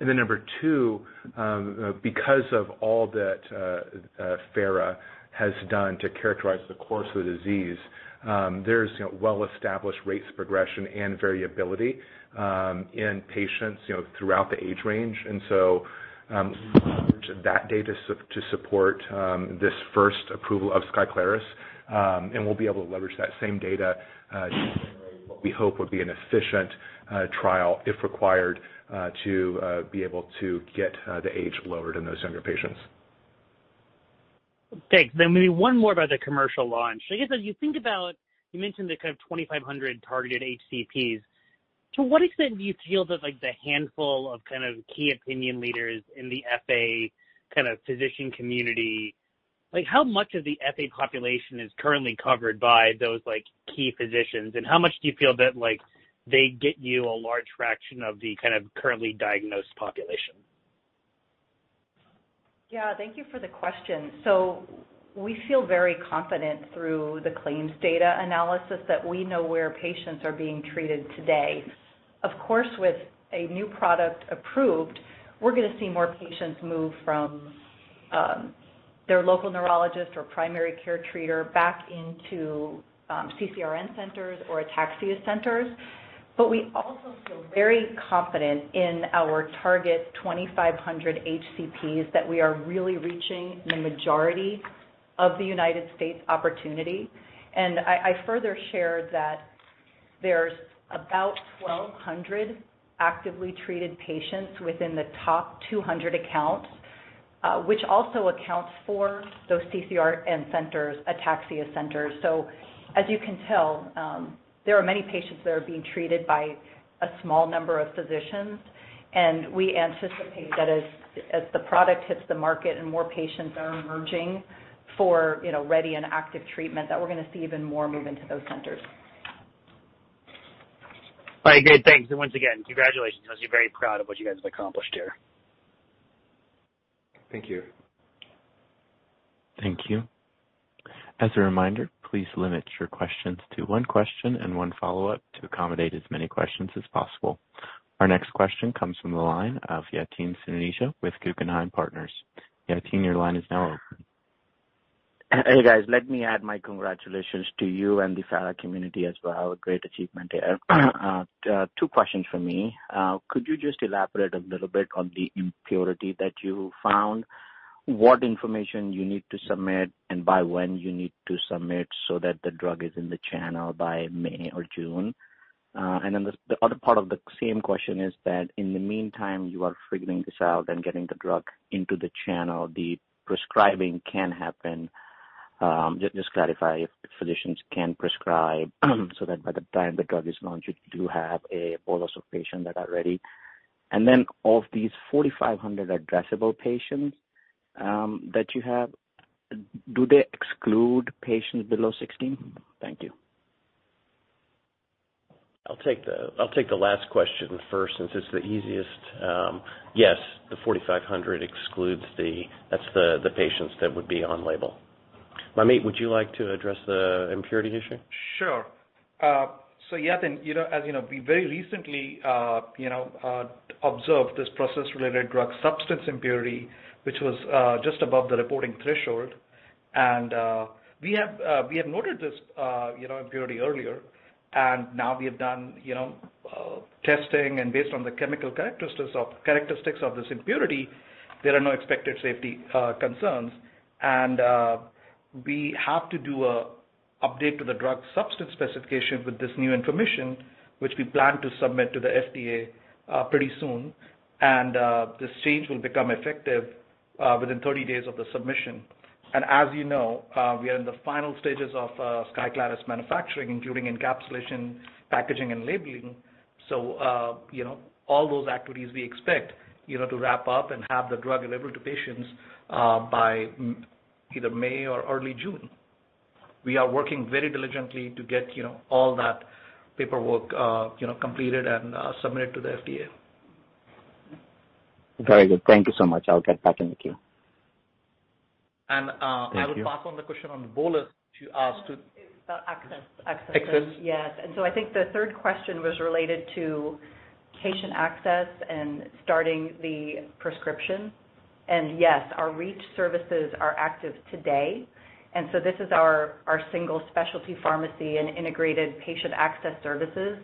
Number two, because of all that FARA has done to characterize the course of the disease, there's, you know, well-established rates of progression and variability, in patients, you know, throughout the age range. That data to support this first approval of SKYCLARYS, and we'll be able to leverage that same data to generate what we hope would be an efficient trial if required to be able to get the age lowered in those younger patients. Okay. Maybe one more about the commercial launch. I guess, as you think about, you mentioned the kind of 2,500 targeted HCPs. To what extent do you feel that like the handful of kind of key opinion leaders in the FA kind of physician community? Like, how much of the FA population is currently covered by those like, key physicians? How much do you feel that like, they get you a large fraction of the kind of currently diagnosed population? Yeah. Thank you for the question. We feel very confident through the claims data analysis that we know where patients are being treated today. Of course, with a new product approved, we're gonna see more patients move from their local neurologist or primary care treater back into CCRN centers or ataxia centers. We also feel very confident in our target 2,500 HCPs that we are really reaching the majority of the United States opportunity. I further shared that there's about 1,200 actively treated patients within the top 200 accounts, which also accounts for those CCRN centers, ataxia centers. As you can tell, there are many patients that are being treated by a small number of physicians, and we anticipate that as the product hits the market and more patients are emerging for, you know, ready and active treatment, that we're gonna see even more move into those centers. All right. Good. Thanks. Once again, congratulations. I was very proud of what you guys have accomplished here. Thank you. Thank you. As a reminder, please limit your questions to one question and one follow-up to accommodate as many questions as possible. Our next question comes from the line of Yatin Suneja with Guggenheim Partners. Yatin, your line is now open. Hey, guys. Let me add my congratulations to you and the FARA community as well. Great achievement here. Two questions from me. Could you just elaborate a little bit on the impurity that you found? What information you need to submit and by when you need to submit so that the drug is in the channel by May or June? The other part of the same question is that in the meantime, you are figuring this out and getting the drug into the channel, the prescribing can happen. Just clarify if physicians can prescribe so that by the time the drug is launched, you do have a bolus of patients that are ready. Of these 4,500 addressable patients that you have, do they exclude patients below 16? Thank you. I'll take the last question first since it's the easiest. Yes, the 4,500 excludes the patients that would be on label. Manmeet, would you like to address the impurity issue? Sure. Yatin, you know, as you know, we very recently, you know, observed this process related drug substance impurity, which was just above the reporting threshold. We have, we had noted this, you know, impurity earlier, and now we have done, you know, testing and based on the chemical characteristics of this impurity, there are no expected safety concerns. We have to do a update to the drug substance specification with this new information, which we plan to submit to the FDA pretty soon. This change will become effective within 30 days of the submission. As you know, we are in the final stages of SKYCLARYS manufacturing, including encapsulation, packaging, and labeling. You know, all those activities we expect, you know, to wrap up and have the drug delivered to patients, by either May or early June. We are working very diligently to get, you know, all that paperwork, you know, completed and submitted to the FDA. Very good. Thank you so much. I'll get back in the queue. And, uh- Thank you. I will pass on the question on the bolus you asked to. Access. Access. Access? Yes. I think the third question was related to patient access and starting the prescription. Yes, our REACH services are active today. This is our single specialty pharmacy and integrated patient access services.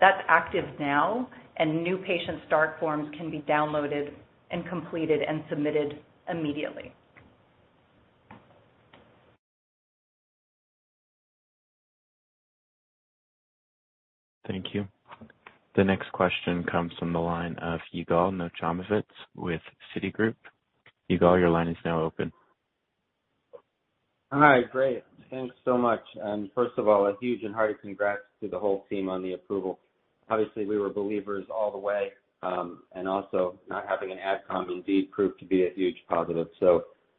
That's active now. New patient start forms can be downloaded and completed and submitted immediately. Thank you. The next question comes from the line of Yigal Nochomovitz with Citigroup. Yigal, your line is now open. All right, great. Thanks so much. First of all, a huge and hearty congrats to the whole team on the approval. Obviously, we were believers all the way. Also not having an AdComm indeed proved to be a huge positive.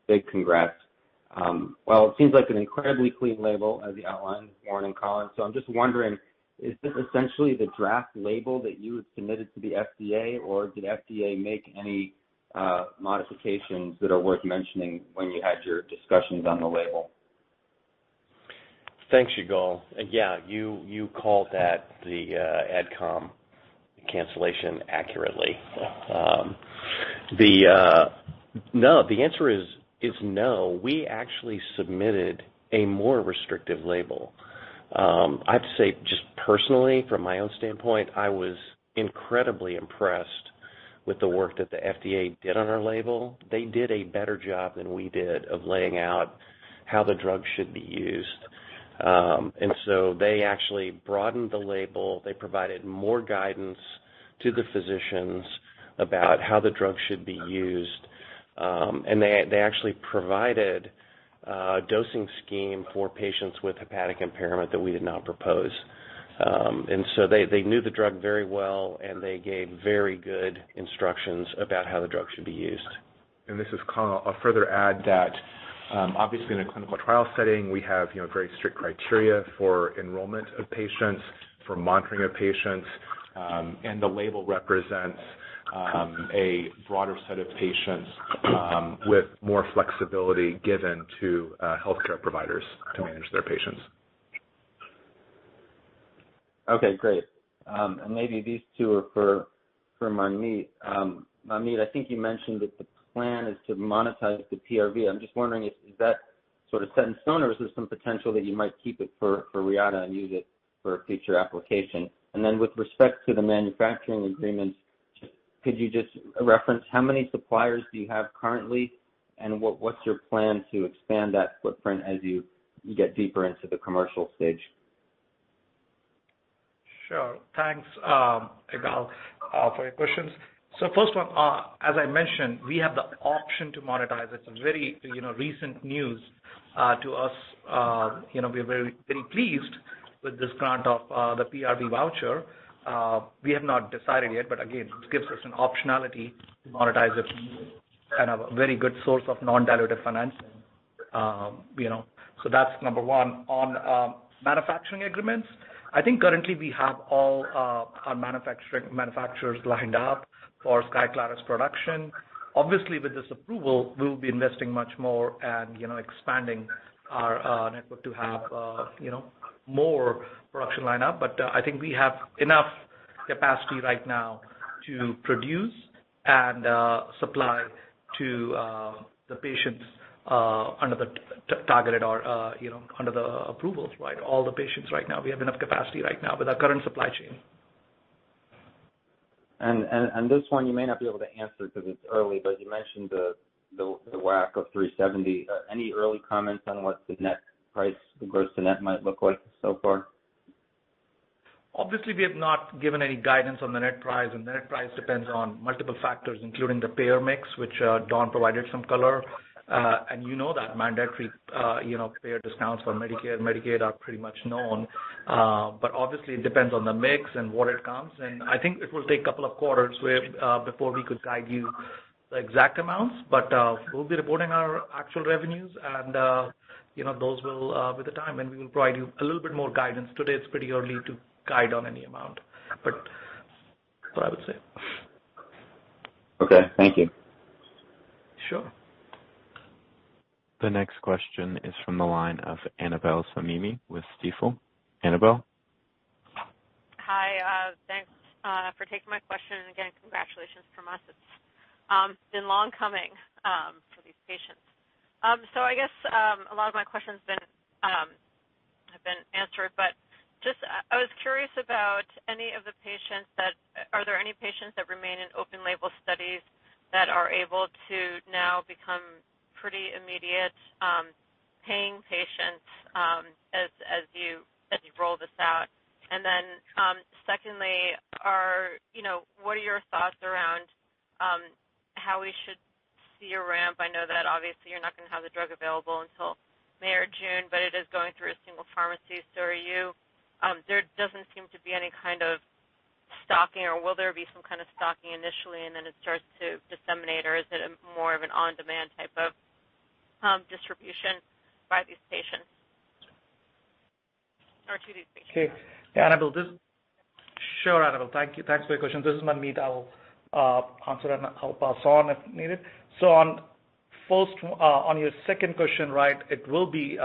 Big congrats. Well, it seems like an incredibly clean label as you outlined this morning, Colin. I'm just wondering, is this essentially the draft label that you had submitted to the FDA? Or did FDA make any modifications that are worth mentioning when you had your discussions on the label? Thanks, Yigal. Yeah, you called that the AdComm cancellation accurately. No, the answer is no. We actually submitted a more restrictive label. I have to say, just personally, from my own standpoint, I was incredibly impressed with the work that the FDA did on our label. They did a better job than we did of laying out how the drug should be used. They actually broadened the label. They provided more guidance to the physicians about how the drug should be used. They actually provided a dosing scheme for patients with hepatic impairment that we did not propose. They knew the drug very well, and they gave very good instructions about how the drug should be used. This is Colin. I'll further add that, obviously in a clinical trial setting, we have, you know, very strict criteria for enrollment of patients, for monitoring of patients. The label represents a broader set of patients, with more flexibility given to healthcare providers to manage their patients. Okay, great. And maybe these two are for Manmeet. Manmeet, I think you mentioned that the plan is to monetize the PRV. I'm just wondering if is that sort of set in stone or is there some potential that you might keep it for Reata and use it for a future application? With respect to the manufacturing agreements, could you just reference how many suppliers do you have currently and what's your plan to expand that footprint as you get deeper into the commercial stage? Sure. Thanks, Yigal, for your questions. First one, as I mentioned, we have the option to monetize. It's a very, you know, recent news to us. You know, we are very, very pleased with this grant of the PRV voucher. We have not decided yet, but again, it gives us an optionality to monetize it, kind of a very good source of non-dilutive financing. You know, that's number one. On manufacturing agreements, I think currently we have all our manufacturers lined up for SKYCLARYS production. Obviously, with this approval, we'll be investing much more and, you know, expanding our network to have, you know, more production lineup. I think we have enough capacity right now to produce and supply to the patients under the targeted or, you know, under the approvals, right. All the patients right now. We have enough capacity right now with our current supply chain. This one you may not be able to answer because it's early, but you mentioned the WAC of $370. Any early comments on what the net price, the gross to net might look like so far? Obviously, we have not given any guidance on the net price, and the net price depends on multiple factors, including the payer mix, which, Dawn provided some color. You know that mandatory, you know, payer discounts for Medicare and Medicaid are pretty much known. Obviously it depends on the mix and what it comes. I think it will take a couple of quarters where before we could guide you the exact amounts. We'll be reporting our actual revenues and, you know, those will with the time, and we will provide you a little bit more guidance. Today, it's pretty early to guide on any amount. That's what I would say. Okay. Thank you. Sure. The next question is from the line of Annabel Samimy with Stifel. Annabel? Hi. Thanks for taking my question. Again, congratulations from us. It's been long coming for these patients. I guess a lot of my questions been have been answered, but just I was curious about Are there any patients that remain in open label studies that are able to now become pretty immediate paying patients as you roll this out? Secondly, you know, what are your thoughts around how we should see a ramp? I know that obviously you're not gonna have the drug available until May or June, but it is going through a single pharmacy. There doesn't seem to be any kind of stocking, or will there be some kind of stocking initially and then it starts to disseminate, or is it a more of an on-demand type of, distribution by these patients? Are two things. Okay. Annabel. Sure, Annabel. Thank you. Thanks for your question. This is Manmeet. I will answer, and I'll pass on if needed. On first, on your second question, right, it will be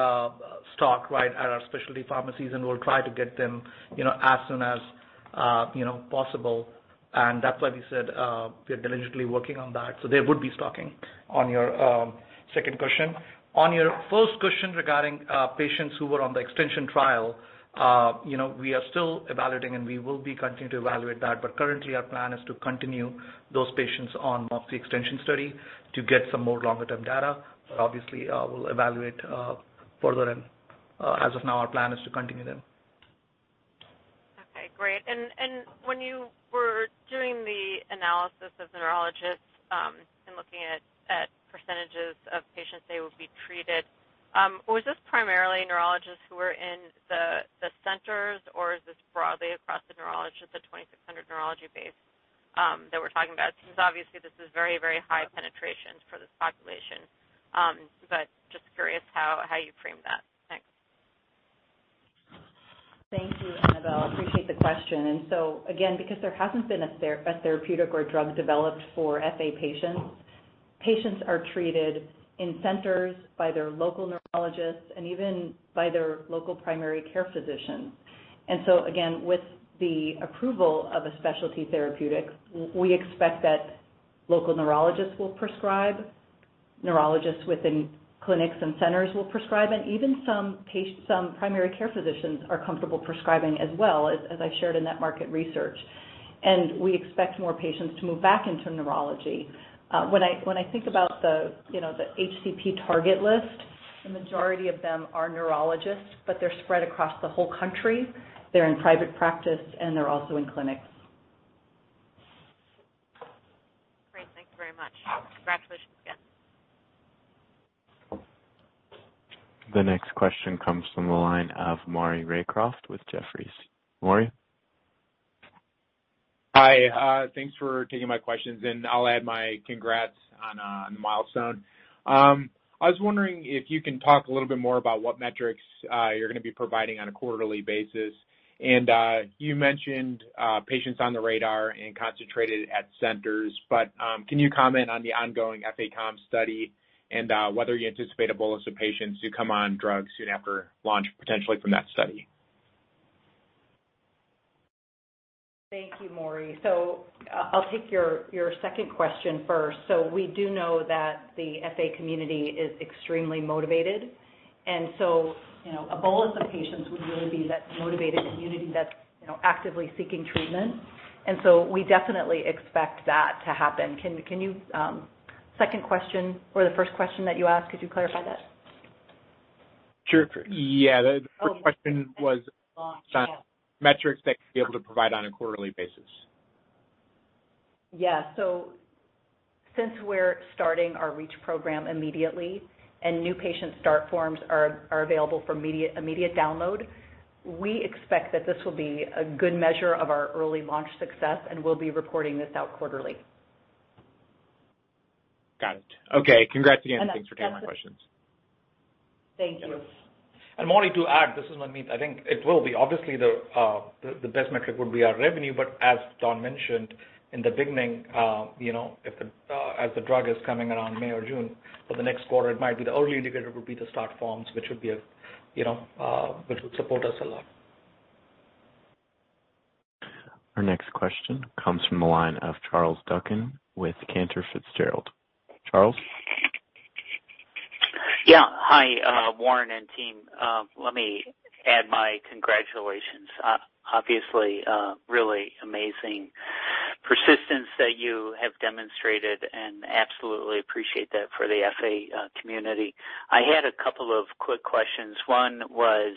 stocked right at our specialty pharmacies, and we'll try to get them, you know, as soon as, you know, possible. That's why we said, we're diligently working on that. There would be stocking on your second question. On your first question regarding patients who were on the extension trial, you know, we are still evaluating, and we will be continuing to evaluate that. Currently our plan is to continue those patients on MOXIe extension study to get some more longer term data. Obviously, we'll evaluate further. As of now, our plan is to continue them. Great. And when you were doing the analysis of the neurologists, and looking at percentages of patients they would be treated, was this primarily neurologists who were in the centers, or is this broadly across the neurologist, the 2,600 neurology base, that we're talking about? Because obviously this is very, very high penetration for this population. Just curious how you framed that. Thanks. Thank you, Annabel. I appreciate the question. Again, because there hasn't been a therapeutic or drug developed for FA patients are treated in centers by their local neurologists and even by their local primary care physicians. Again, with the approval of a specialty therapeutic, we expect that local neurologists will prescribe, neurologists within clinics and centers will prescribe, and even some primary care physicians are comfortable prescribing as well, as I shared in that market research. We expect more patients to move back into neurology. When I think about the, you know, the HCP target list, the majority of them are neurologists, but they're spread across the whole country. They're in private practice, and they're also in clinics. Great. Thank you very much. Congratulations again. The next question comes from the line of Maury Raycroft with Jefferies. Maury? Hi. Thanks for taking my questions, and I'll add my congrats on the milestone. I was wondering if you can talk a little bit more about what metrics you're gonna be providing on a quarterly basis. You mentioned patients on the radar and concentrated at centers, but can you comment on the ongoing FA-COMS study and whether you anticipate a bolus of patients who come on drug soon after launch, potentially from that study? Thank you, Maury. I'll take your second question first. We do know that the FA community is extremely motivated, and so, you know, a bolus of patients would really be that motivated community that's, you know, actively seeking treatment. We definitely expect that to happen. Can you, Second question or the first question that you asked, could you clarify that? Sure. Yeah. The first question was. Oh metrics that you could be able to provide on a quarterly basis. Since we're starting our REACH program immediately and new patient start forms are available for media-immediate download, we expect that this will be a good measure of our early launch success, and we'll be reporting this out quarterly. Got it. Okay. Congrats again. And that's- Thanks for taking my questions. Thank you. Maury to add, this is Manmeet. I think it will be. Obviously, the best metric would be our revenue. As John mentioned in the beginning, you know, if the as the drug is coming around May or June, for the next quarter, it might be the early indicator would be the start forms, which would be a, you know, which would support us a lot. Our next question comes from the line of Charles Duncan with Cantor Fitzgerald. Charles? Hi, Warren and team. Let me add my congratulations. Obviously, really amazing persistence that you have demonstrated and absolutely appreciate that for the FA community. I had a couple of quick questions. One was,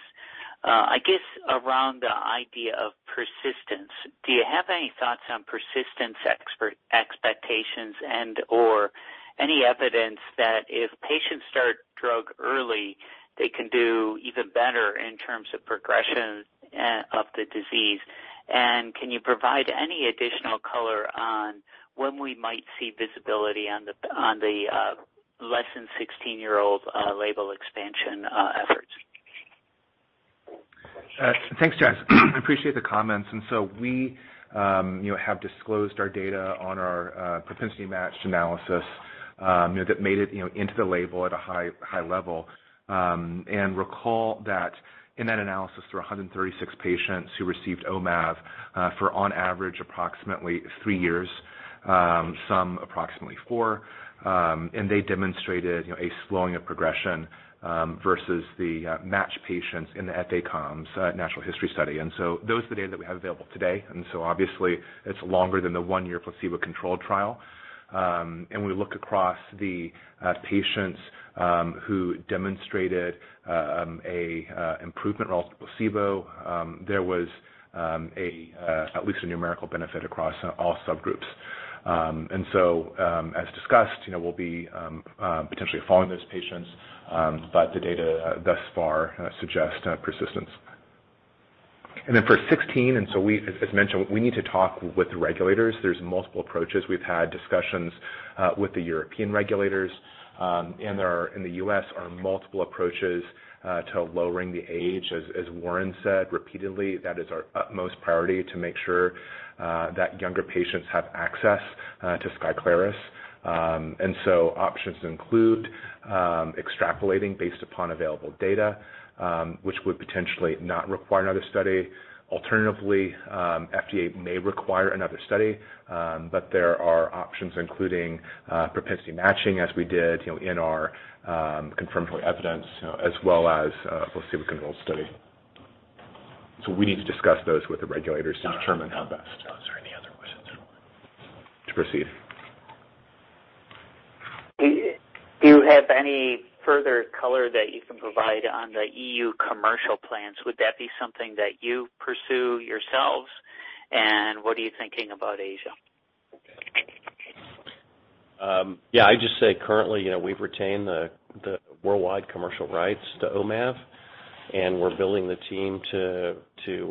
I guess around the idea of persistence. Do you have any thoughts on persistence expectations and/or any evidence that if patients start drug early, they can do even better in terms of progression of the disease? Can you provide any additional color on when we might see visibility on the, on the less than 16-year-old label expansion efforts? Thanks, Charles. I appreciate the comments. We, you know, have disclosed our data on our propensity-matched analysis, you know, that made it, you know, into the label at a high, high level. Recall that in that analysis, there were 136 patients who received Omav for on average approximately three years, some approximately four, and they demonstrated, you know, a slowing of progression versus the matched patients in the FACOMS natural history study. Those are the data that we have available today. Obviously it's longer than the one-year placebo-controlled trial. We look across the patients who demonstrated a improvement versus placebo. There was at least a numerical benefit across all subgroups. As discussed, you know, we'll be potentially following those patients. The data thus far suggest persistence. For 16, as mentioned, we need to talk with the regulators. There's multiple approaches. We've had discussions with the European regulators. There are, in the U.S., multiple approaches to lowering the age. As Warren said repeatedly, that is our utmost priority to make sure that younger patients have access to SKYCLARYS. Options include extrapolating based upon available data, which would potentially not require another study. Alternatively, FDA may require another study, but there are options including propensity matching as we did, you know, in our confirmatory evidence, you know, as well as placebo-controlled study. We need to discuss those with the regulators to determine how. John, are there any other questions? To proceed. Do you have any further color that you can provide on the EU commercial plans? Would that be something that you pursue yourselves? What are you thinking about Asia? Yeah, I'd just say currently, you know, we've retained the worldwide commercial rights to Omav, and we're building the team to, you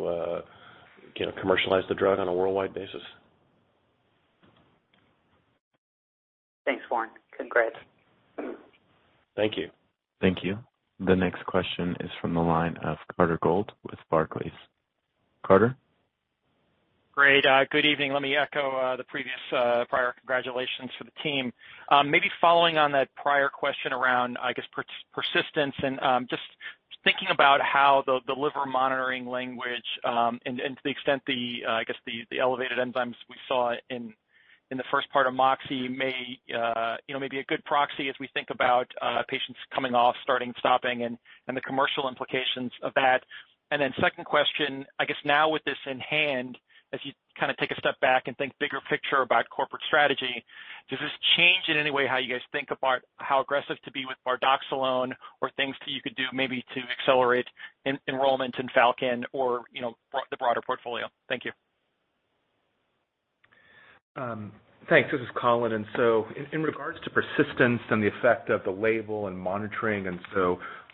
know, commercialize the drug on a worldwide basis. Thanks, Warren. Congrats. Thank you. Thank you. The next question is from the line of Carter Gould with Barclays. Carter? Great. Good evening. Let me echo the previous prior congratulations to the team. Maybe following on that prior question around, I guess, persistence and just thinking about how the liver monitoring language, and to the extent the, I guess the elevated enzymes we saw in the first part of MOXIe may, you know, may be a good proxy as we think about patients coming off, starting, stopping, and the commercial implications of that. Second question, I guess now with this in hand, as you kind of take a step back and think bigger picture about corporate strategy, does this change in any way how you guys think about how aggressive to be with bardoxolone or things that you could do maybe to accelerate enrollment in FALCON or, you know, the broader portfolio? Thank you. Thanks. This is Colin. In regards to persistence and the effect of the label and monitoring,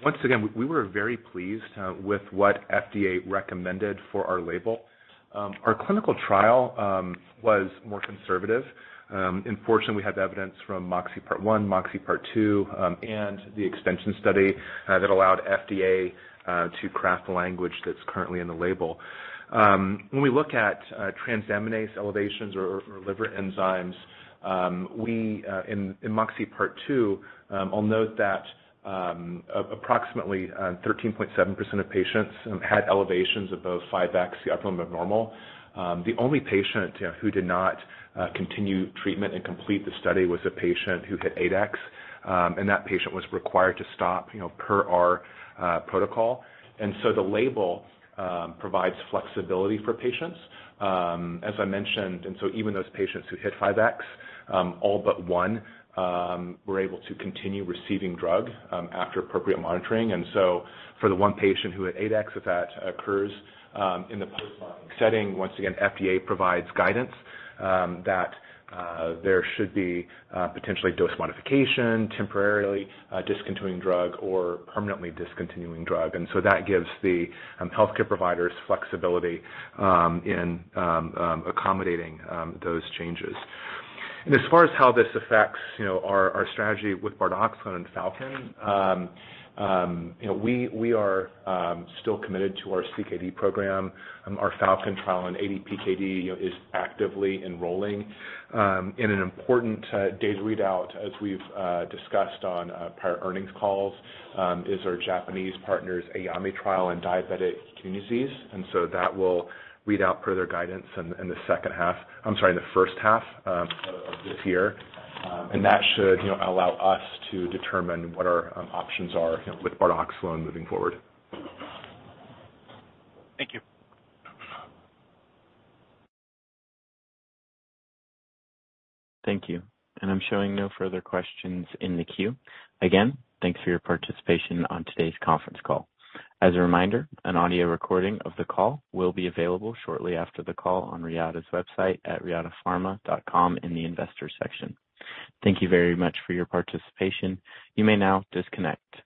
once again, we were very pleased with what FDA recommended for our label. Our clinical trial was more conservative. Fortunately, we had the evidence from MOXIe Part 1, MOXIe Part 2, and the extension study that allowed FDA to craft the language that's currently in the label. When we look at transaminase elevations or liver enzymes, we in MOXIe Part 2, I'll note that approximately 13.7% of patients had elevations above 5x the upper limit normal. The only patient, you know, who did not continue treatment and complete the study was a patient who hit 8x, and that patient was required to stop, you know, per our protocol. The label provides flexibility for patients. As I mentioned, even those patients who hit 5x, all but one were able to continue receiving drug after appropriate monitoring. For the one patient who hit 8x, if that occurs in the post-marketing setting, once again, FDA provides guidance that there should be potentially dose modification, temporarily discontinuing drug or permanently discontinuing drug. That gives the healthcare providers flexibility in accommodating those changes. As far as how this affects, you know, our strategy with bardoxolone and FALCON, you know, we are still committed to our CKD program. Our FALCON trial on ADPKD, you know, is actively enrolling. In an important data readout, as we've discussed on prior earnings calls, is our Japanese partners, AYAME trial and diabetic kidney disease. That will read out further guidance in the first half of this year. That should, you know, allow us to determine what our options are, you know, with bardoxolone moving forward. Thank you. Thank you. I'm showing no further questions in the queue. Again, thanks for your participation on today's conference call. As a reminder, an audio recording of the call will be available shortly after the call on Reata's website at reatapharma.com in the Investors section. Thank you very much for your participation. You may now disconnect.